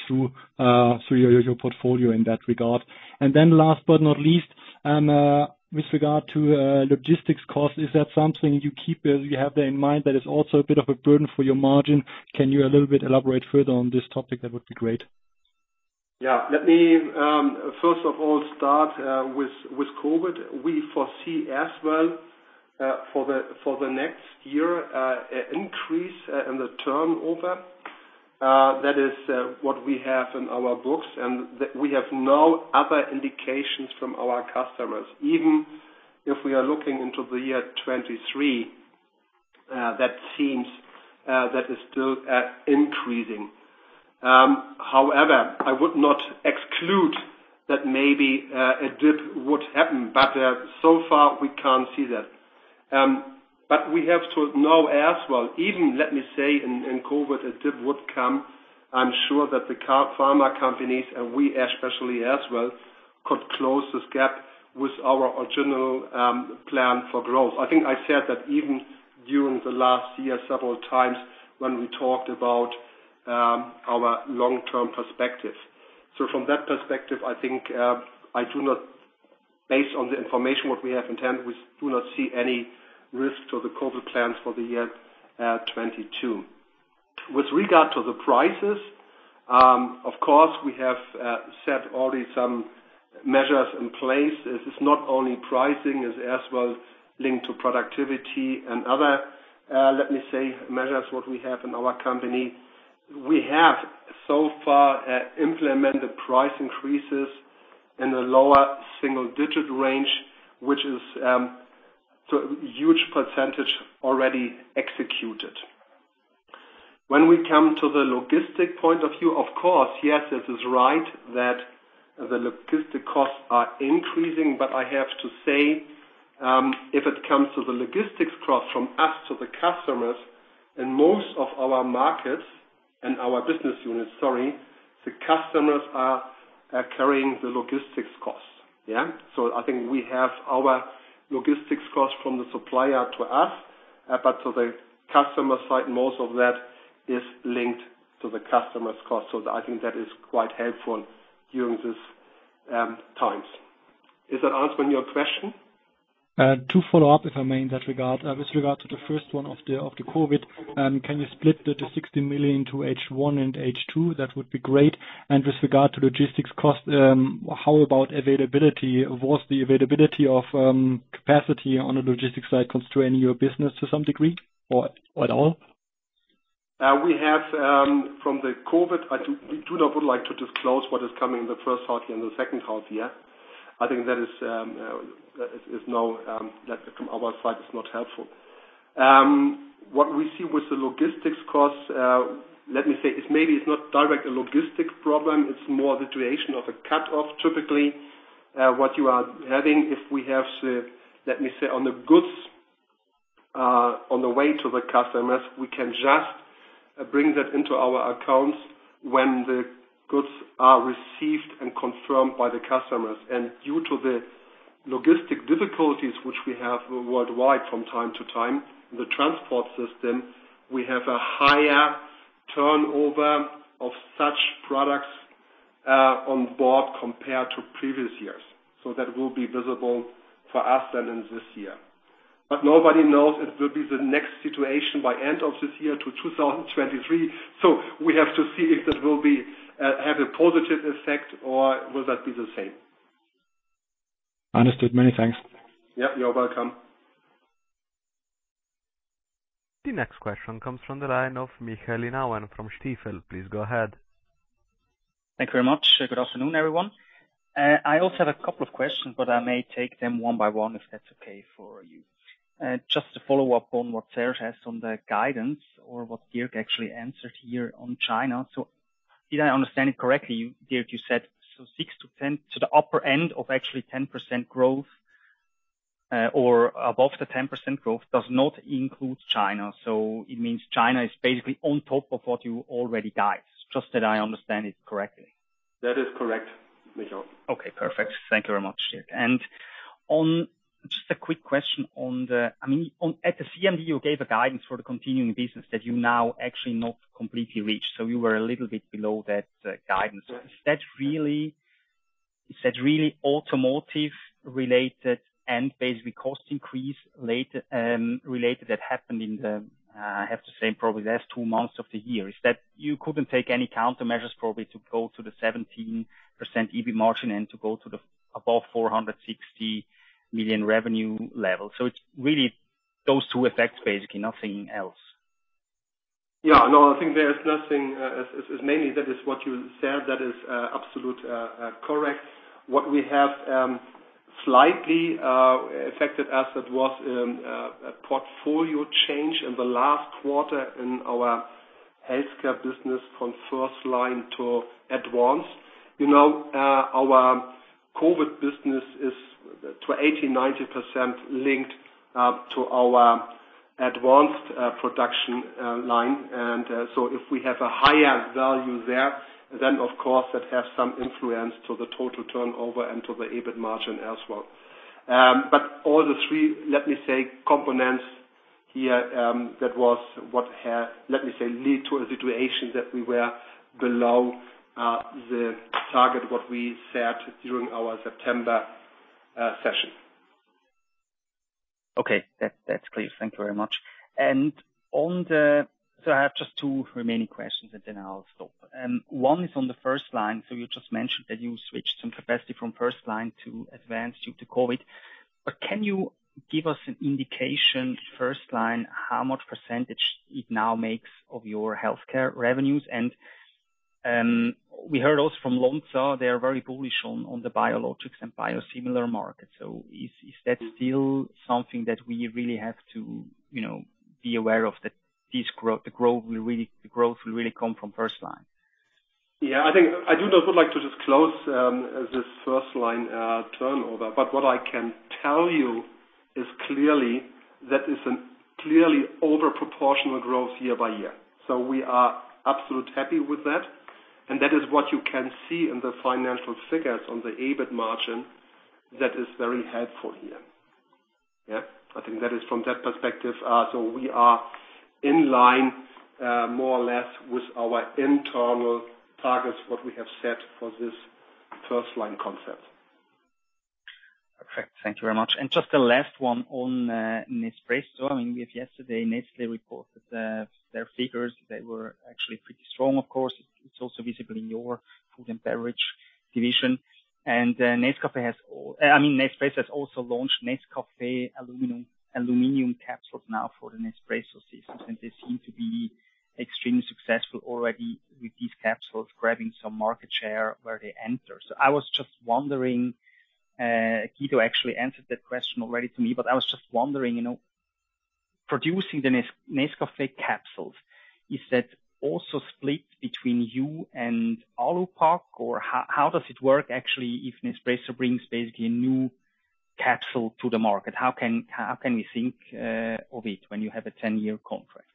through your portfolio in that regard? Last but not least, with regard to logistics costs, is that something you keep you have in mind that is also a bit of a burden for your margin? Can you a little bit elaborate further on this topic? That would be great. Yeah. Let me first of all start with COVID. We foresee as well for the next year increase in the turnover. That is what we have in our books and we have no other indications from our customers. Even if we are looking into the year 2023, that is still increasing. However, I would not exclude that maybe a dip would happen, but so far we can't see that. We have to know as well, even let me say in COVID, a dip would come. I'm sure that the pharma companies and we especially as well could close this gap with our original plan for growth. I think I said that even during the last year several times when we talked about our long-term perspective. From that perspective, I think, based on the information that we have in hand, we do not see any risk to the COVID plans for the year 2022. With regard to the prices, of course, we have set already some measures in place. It's not only pricing, it's as well linked to productivity and other, let me say, measures that we have in our company. We have so far implemented price increases in the lower single digit range, which is a huge percentage already executed. When we come to the logistics point of view, of course, yes, it is right that the logistics costs are increasing, but I have to say, if it comes to the logistics cost from us to the customers, in most of our markets and our business units, sorry, the customers are carrying the logistics costs. Yeah. So I think we have our logistics costs from the supplier to us, but to the customer side, most of that is linked to the customer's cost. So I think that is quite helpful during these times. Is that answering your question? To follow up, if I may, in that regard. With regard to the first one of the COVID, can you split the 60 million to H1 and H2? That would be great. With regard to logistics cost, how about availability? Was the availability of capacity on the logistics side constraining your business to some degree or at all? We have from the COVID, we would not like to disclose what is coming in the first half year and the second half year. I think that is now like from our side is not helpful. What we see with the logistics costs, let me say, is maybe it's not directly a logistics problem, it's more the duration of a cut-off. Typically, what you are having, if we have, let me say, on the goods on the way to the customers, we can just bring that into our accounts when the goods are received and confirmed by the customers. Due to the logistics difficulties which we have worldwide from time to time, the transport system, we have a higher turnover of such products on board compared to previous years. That will be visible for us then in this year. Nobody knows it will be the next situation by end of this year to 2023. We have to see if that will have a positive effect or will that be the same. Understood. Many thanks. Yeah, you're welcome. The next question comes from the line of Michael Inauen from Stifel. Please go ahead. Thank you very much. Good afternoon, everyone. I also have a couple of questions, but I may take them one by one, if that's okay for you. Just to follow up on what Serge has on the guidance or what Dirk actually answered here on China. Did I understand it correctly, Dirk, you said so 6%-10%, to the upper end of actually 10% growth, or above the 10% growth does not include China. It means China is basically on top of what you already guides. Just that I understand it correctly. That is correct, Michael. Okay, perfect. Thank you very much, Dirk. Just a quick question on the CMD. I mean, at the CMD, you gave a guidance for the continuing business that you now actually not completely reached. You were a little bit below that guidance. Is that really automotive related and basically cost increases lately related that happened in the I have to say probably the last two months of the year? Is it that you couldn't take any countermeasures probably to go to the 17% EBIT margin and to go to the above 460 million revenue level. It's really those two effects, basically, nothing else. Yeah. No, I think there is nothing as mainly that is what you said. That is absolutely correct. What has slightly affected us was a portfolio change in the last quarter in our healthcare business from FirstLine to Advanced. You know, our COVID business is 80%-90% linked to our Advanced production line. And so if we have a higher value there, then of course that has some influence to the total turnover and to the EBIT margin as well. But all three, let me say, components here that had led to a situation that we were below the target we set during our September session. Okay. That's clear. Thank you very much. I have just two remaining questions, and then I'll stop. One is on the FirstLine. You just mentioned that you switched some capacity from FirstLine to Advanced due to COVID. Can you give us an indication, FirstLine, how much percentage it now makes of your healthcare revenues? We heard also from Lonza. They are very bullish on the biologics and biosimilar market. Is that still something that we really have to, you know, be aware of that the growth will really come from FirstLine? I think I would not like to disclose this FirstLine turnover. What I can tell you is clearly that is a clearly above-proportional growth year by year. We are absolutely happy with that, and that is what you can see in the financial figures on the EBIT margin that is very helpful here. Yeah. I think that is from that perspective. We are in line, more or less with our internal targets, what we have set for this FirstLine concept. Perfect. Thank you very much. Just the last one on Nespresso. I mean, with yesterday, Nestlé reported that their figures, they were actually pretty strong, of course. It's also visible in your food and beverage division. Nespresso has also launched Nescafé aluminum capsules now for the Nespresso systems, and they seem to be extremely successful already with these capsules, grabbing some market share where they enter. I was just wondering, Guido actually answered that question already to me, but I was just wondering, you know, producing the Nescafé capsules, is that also split between you and alupak? Or how does it work actually, if Nespresso brings basically a new capsule to the market? How can we think of it when you have a 10-year contract?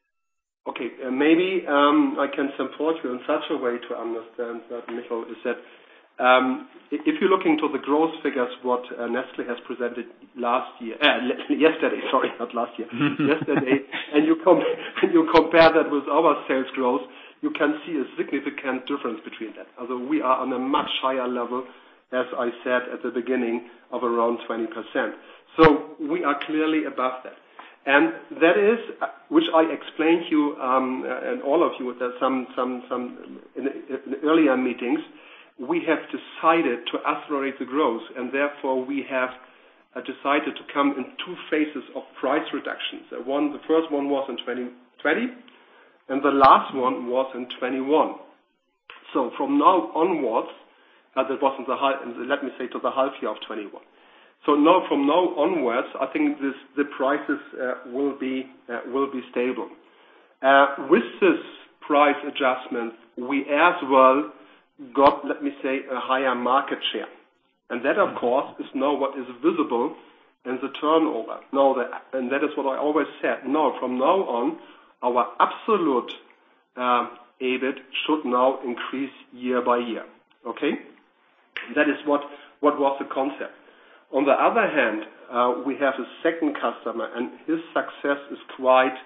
Okay. Maybe I can support you in such a way to understand that, Michael. Is that if you're looking to the growth figures what Nestlé has presented last year. Yesterday, sorry, not last year. Yesterday. You compare that with our sales growth, you can see a significant difference between them. Although we are on a much higher level, as I said at the beginning, of around 20%. We are clearly above that. That is, which I explained to you and all of you at some in earlier meetings. We have decided to accelerate the growth, and therefore we have decided to come in two phases of price reductions. One, the first one was in 2020, and the last one was in 2021. From now onwards, that was in the half year of 2021. Now, from now onwards, I think the prices will be stable. With this price adjustment, we as well got, let me say, a higher market share. That, of course, is now what is visible in the turnover. That is what I always said. Now, from now on, our absolute EBIT should now increase year by year. Okay? That is what was the concept. On the other hand, we have a second customer, and his success is quite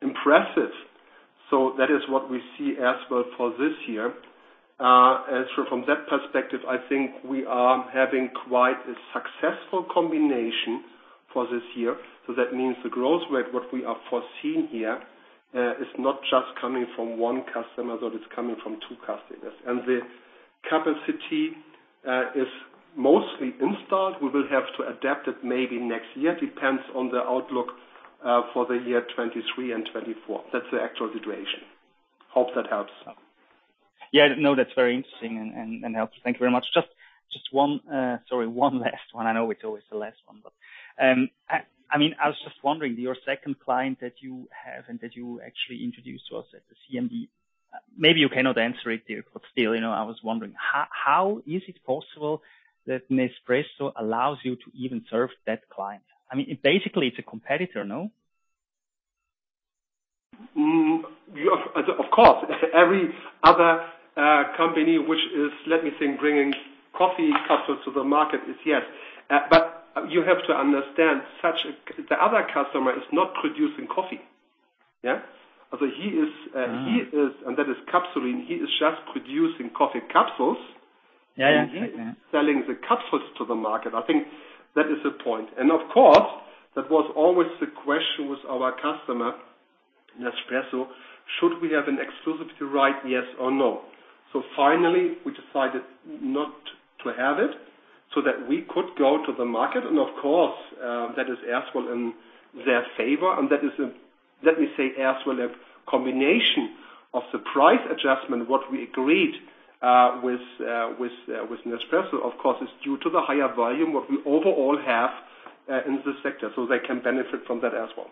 impressive. That is what we see as well for this year. As from that perspective, I think we are having quite a successful combination for this year. That means the growth rate, what we are foreseeing here, is not just coming from one customer, but it's coming from two customers. The capacity is mostly installed. We will have to adapt it maybe next year. It depends on the outlook for the year 2023 and 2024. That's the actual situation. Hope that helps. Yeah, no, that's very interesting and helpful. Thank you very much. Just one, sorry, one last one. I know it's always the last one, but I mean, I was just wondering, your second client that you have and that you actually introduced to us at the CMD, maybe you cannot answer it here, but still, you know, I was wondering, how is it possible that Nespresso allows you to even serve that client? I mean, basically, it's a competitor, no? Of course. Every other company which is, let me think, bringing coffee capsules to the market is, yes. But you have to understand. The other customer is not producing coffee. So he is. That is Capsul'in. He is just producing coffee capsules. Yeah, yeah. He is selling the capsules to the market. I think that is the point. Of course, that was always the question with our customer, Nespresso, should we have an exclusivity right, yes or no? Finally, we decided not to have it so that we could go to the market. Of course, that is as well in their favor. That is, let me say, as well, a combination of the price adjustment, what we agreed with Nespresso, of course, is due to the higher volume what we overall have in this sector, so they can benefit from that as well.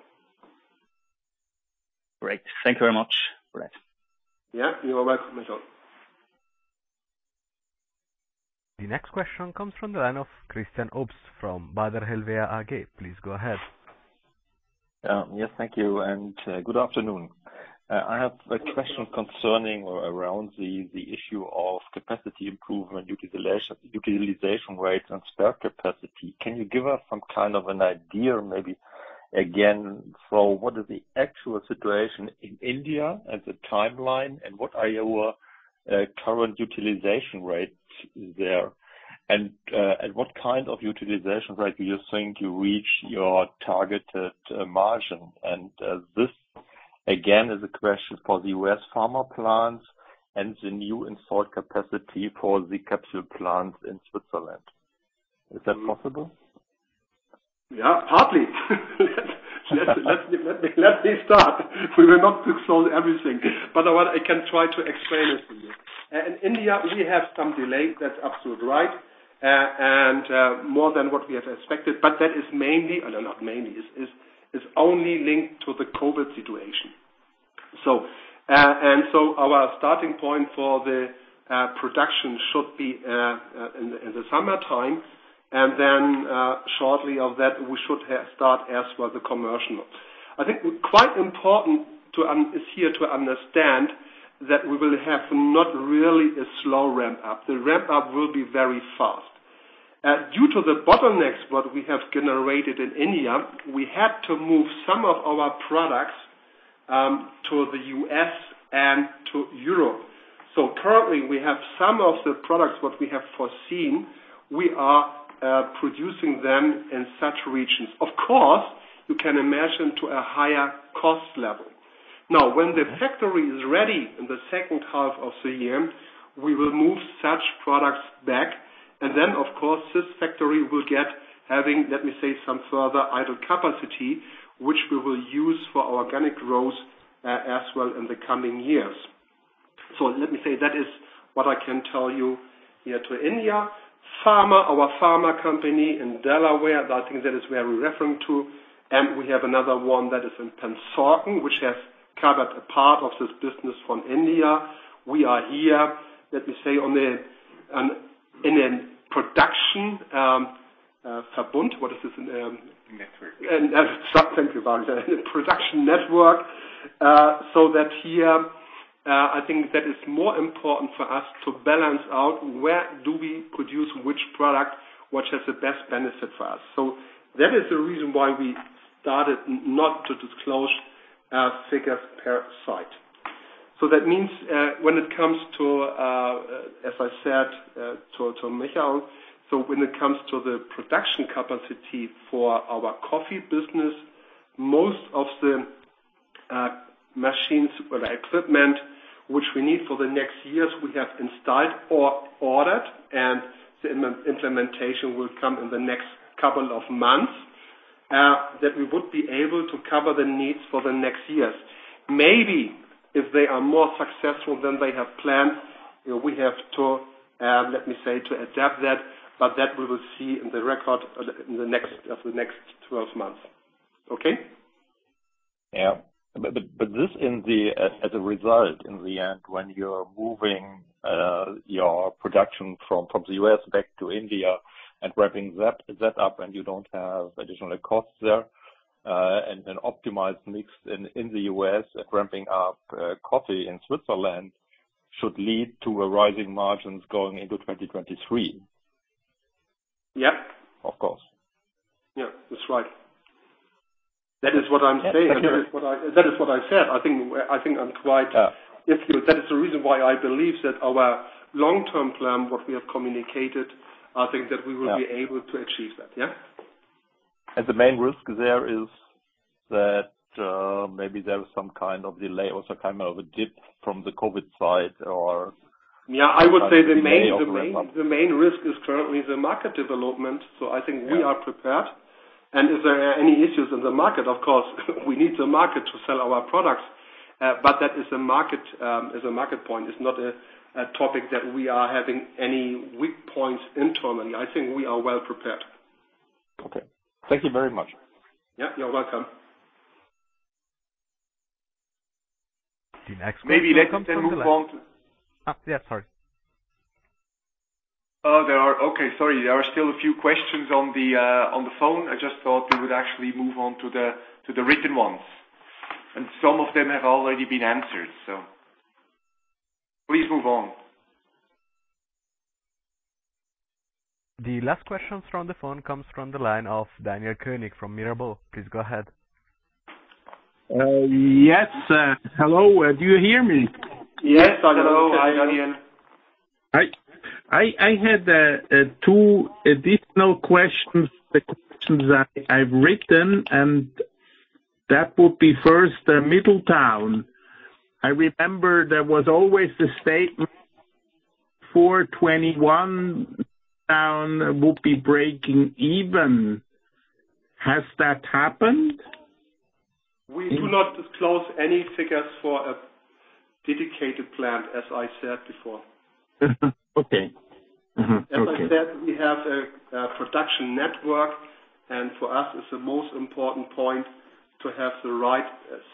Great. Thank you very much. All right. Yeah. You are welcome, Michael. The next question comes from the line of Christian Obst from Baader Helvea AG. Please go ahead. Yes, thank you, and good afternoon. I have a question concerning or around the issue of capacity improvement, utilization rates and spare capacity. Can you give us some kind of an idea, maybe again, for what is the actual situation in India as a timeline, and what are your current utilization rates there? At what kind of utilization rate do you think you reach your targeted margin? This again is a question for the U.S. pharma plants and the new installed capacity for the capsule plant in Switzerland. Is that possible? Yeah, partly. Let me start. We will not disclose everything, but I can try to explain it to you. In India, we have some delays. That's absolutely right, more than what we have expected. But that is only linked to the COVID situation. Our starting point for the production should be in the summertime. Then, shortly after that, we should start the commercial as well. I think it is quite important to understand that we will not really have a slow ramp up. The ramp up will be very fast. Due to the bottlenecks that we have generated in India, we had to move some of our products to the U.S. and to Europe. Currently, we have some of the products what we have foreseen, we are producing them in such regions. Of course, you can imagine, to a higher cost level. Now, when the factory is ready in the second half of the year, we will move such products back. Then, of course, this factory will get having, let me say, some further idle capacity, which we will use for organic growth, as well in the coming years. Let me say that is what I can tell you here to India. Pharma, our pharma company in Delaware, I think that is where we're referring to. We have another one that is in Pennsauken, which has covered a part of this business from India. We are here, let me say, in a production Verbund. What is this? Network. Thank you, Walter. Production network. That here, I think that is more important for us to balance out where we produce which product, which has the best benefit for us. That is the reason why we started not to disclose figures per site. That means, when it comes to, as I said, to Michael, when it comes to the production capacity for our coffee business, most of the machines or the equipment which we need for the next years, we have installed or ordered, and the implementation will come in the next couple of months that we would be able to cover the needs for the next years. Maybe if they are more successful than they have planned, you know, we have to, let me say, to adapt that, but that we will see in the record of the next 12 months. Okay? As a result, in the end, when you're moving your production from the U.S. back to India and ramping that up, and you don't have additional costs there, and optimized mix in the U.S. and ramping up coffee in Switzerland should lead to rising margins going into 2023. Yeah. Of course. Yeah, that's right. That is what I'm saying. That is what I said. That is the reason why I believe that our long-term plan, what we have communicated, I think that we will be able to achieve that, yeah. The main risk there is that maybe there is some kind of delay or some kind of a dip from the COVID side. Yeah. I would say the main risk is currently the market development, so I think we are prepared. If there are any issues in the market, of course, we need the market to sell our products. That is a market point. It's not a topic that we are having any weak points internally. I think we are well prepared. Okay. Thank you very much. Yeah, you're welcome. The next question comes from the line. Maybe they can move on to- Yeah. Sorry. Okay, sorry. There are still a few questions on the phone. I just thought we would actually move on to the written ones. Some of them have already been answered, so please move on. The last question from the phone comes from the line of Daniel Koenig from Mirabaud. Please go ahead. Yes. Hello. Do you hear me? Yes. Hello. Hi, Daniel. I had two additional questions, the questions that I've written, and that would be first, Middletown. I remember there was always the statement, 2021, Middletown would be breaking even. Has that happened? We do not disclose any figures for a dedicated plant, as I said before. Okay. Mm-hmm. Okay. As I said, we have a production network, and for us it's the most important point to have the right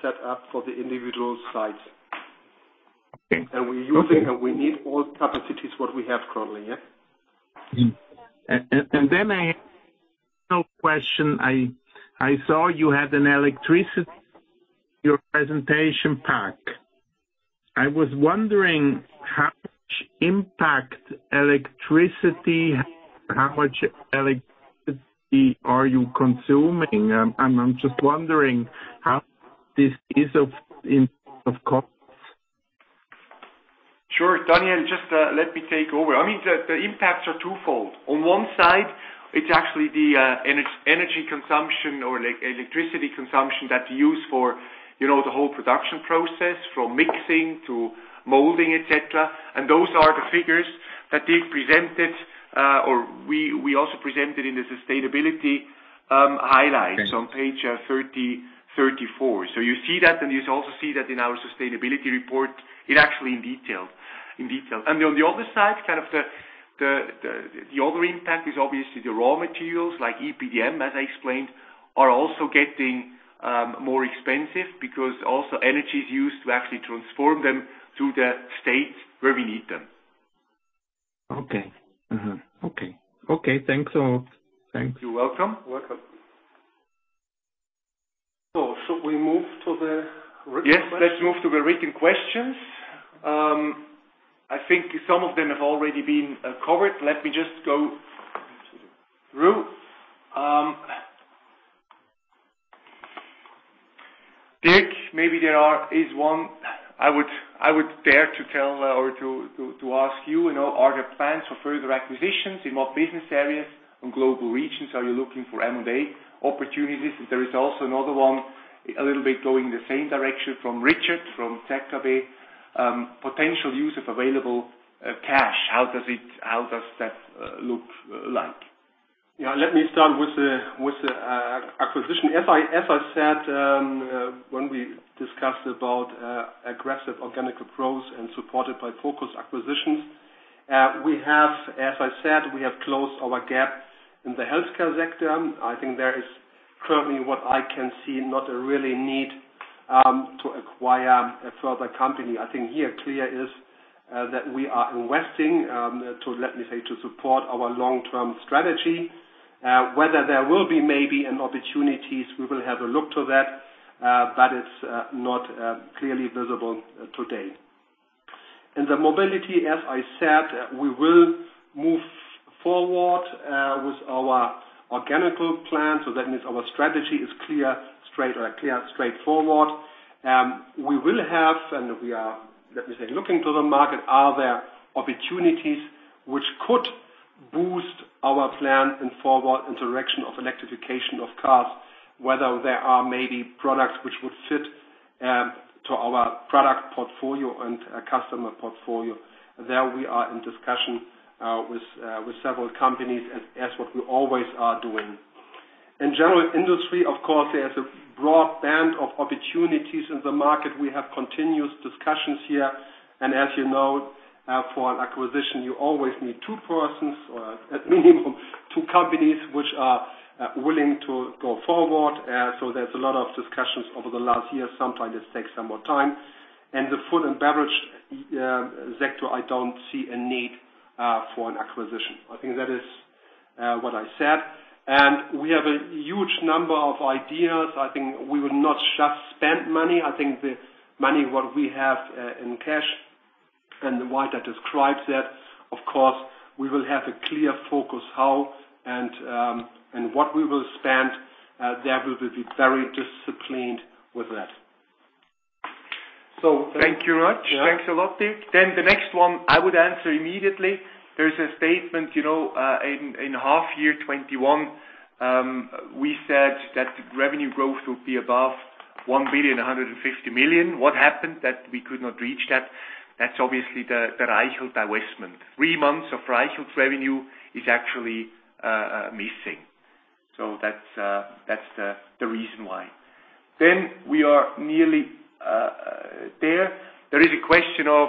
setup for the individual sites. Okay. We need all capacities what we have currently, yeah. I saw you had electricity in your presentation pack. I was wondering how much impact electricity has, how much electricity are you consuming? I'm just wondering how this is in terms of costs. Sure, Daniel, just let me take over. I mean, the impacts are twofold. On one side, it's actually the energy consumption or electricity consumption that you use for, you know, the whole production process, from mixing to molding, et cetera. Those are the figures that they've presented, or we also presented in the sustainability highlights. Okay. On page 30, 34. You see that, and you also see that in our sustainability report, it actually in detail. On the other side, kind of the other impact is obviously the raw materials, like EPDM, as I explained, are also getting more expensive because also energy is used to actually transform them to the state where we need them. Okay, thanks a lot. Thanks. You're welcome. You're welcome. Should we move to the written questions? Yes, let's move to the written questions. I think some of them have already been covered. Let me just go through. Dirk, maybe there is one I would dare to tell or to ask you. You know, are there plans for further acquisitions in what business areas and global regions? Are you looking for M&A opportunities? There is also another one, a little bit going the same direction, from Richard, from Tech AB. Potential use of available cash. How does that look like? Yeah, let me start with the acquisition. As I said, when we discussed aggressive organic approach and supported by focused acquisitions, we have closed our gap in the healthcare sector. I think there is currently, what I can see, not really a need to acquire a further company. I think it is clear that we are investing, let me say, to support our long-term strategy. Whether there will be maybe any opportunities, we will have a look at that, but it's not clearly visible today. In the mobility, as I said, we will move forward with our organic plan, so that means our strategy is clear and straightforward. We are looking to the market, are there opportunities which could boost our plan forward in the direction of electrification of cars, whether there are maybe products which would fit to our product portfolio and customer portfolio. There we are in discussion with several companies as what we always are doing. In general industry, of course, there's a broad band of opportunities in the market. We have continuous discussions here and as you know, for an acquisition, you always need two persons or at minimum two companies which are willing to go forward. So there's a lot of discussions over the last year. Sometimes it takes some more time. The food and beverage sector, I don't see a need for an acquisition. I think that is what I said. We have a huge number of ideas. I think we will not just spend money. I think the money what we have in cash and why that describes that. Of course, we will have a clear focus how and what we will spend there. We will be very disciplined with that. Thank you much. Yeah. Thanks a lot, Dirk. The next one I would answer immediately. There's a statement, you know, in half year 2021, we said that the revenue growth will be above 1,150 million. What happened that we could not reach that? That's obviously the Reichelt divestment. Three months of Reichelt's revenue is actually missing. So that's the reason why. We are nearly there. There is a question of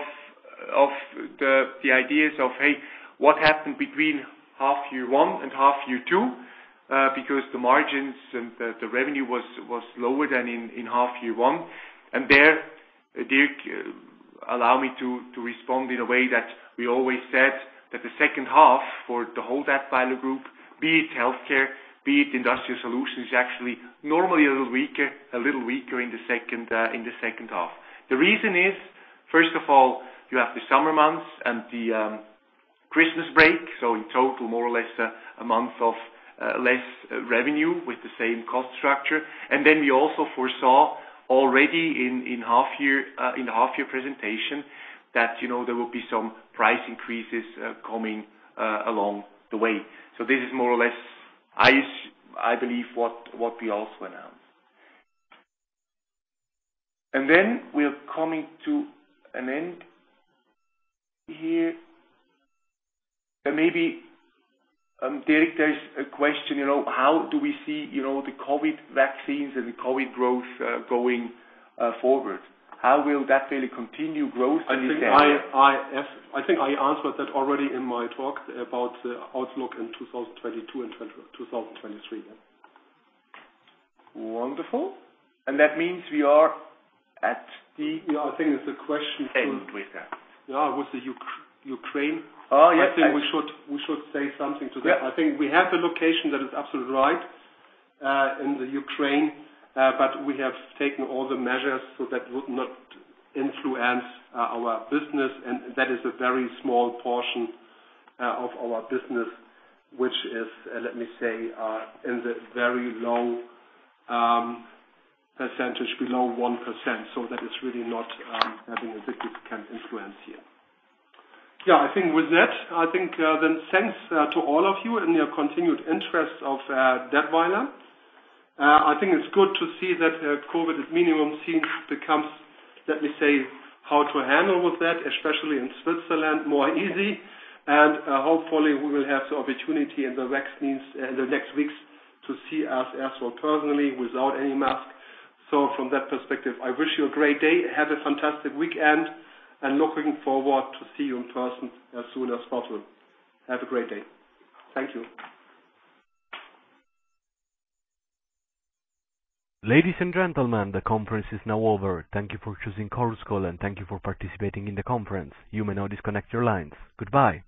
the ideas of, hey, what happened between half year one and half year two? Because the margins and the revenue was lower than in half year one. There, Dirk, allow me to respond in a way that we always said that the second half for the whole Dätwyler group, be it Healthcare, be it Industrial Solutions, actually normally a little weaker in the second half. The reason is, first of all, you have the summer months and the Christmas break. In total more or less a month of less revenue with the same cost structure. Then we also foresaw already in half year in the half year presentation that, you know, there will be some price increases coming along the way. This is more or less I believe what we also announced. Then we are coming to an end here. Maybe, Dirk, there is a question, you know, how do we see, you know, the COVID vaccines and the COVID growth going forward? How will that really continue growth in this area? I think I answered that already in my talk about the outlook in 2022 and 2023, yeah. Wonderful. That means we are at the. Yeah, I think there's a question. End with that. Yeah, with the Ukraine. Oh, yes. I think we should say something to that. Yeah. I think we have a location that is absolutely right in the Ukraine, but we have taken all the measures so that would not influence our business and that is a very small portion of our business, which is, let me say, in the very low percentage below 1%. That is really not having a significant influence here. Yeah, I think with that, thanks to all of you and your continued interest in Dätwyler. I think it's good to see that COVID-19 minimum seems to come, let me say, how to handle with that, especially in Switzerland, more easy. Hopefully we will have the opportunity in the next weeks to see us as well personally without any mask. From that perspective, I wish you a great day. Have a fantastic weekend, and looking forward to see you in person as soon as possible. Have a great day. Thank you. Ladies and gentlemen, the conference is now over. Thank you for choosing Chorus Call and thank you for participating in the conference. You may now disconnect your lines. Goodbye.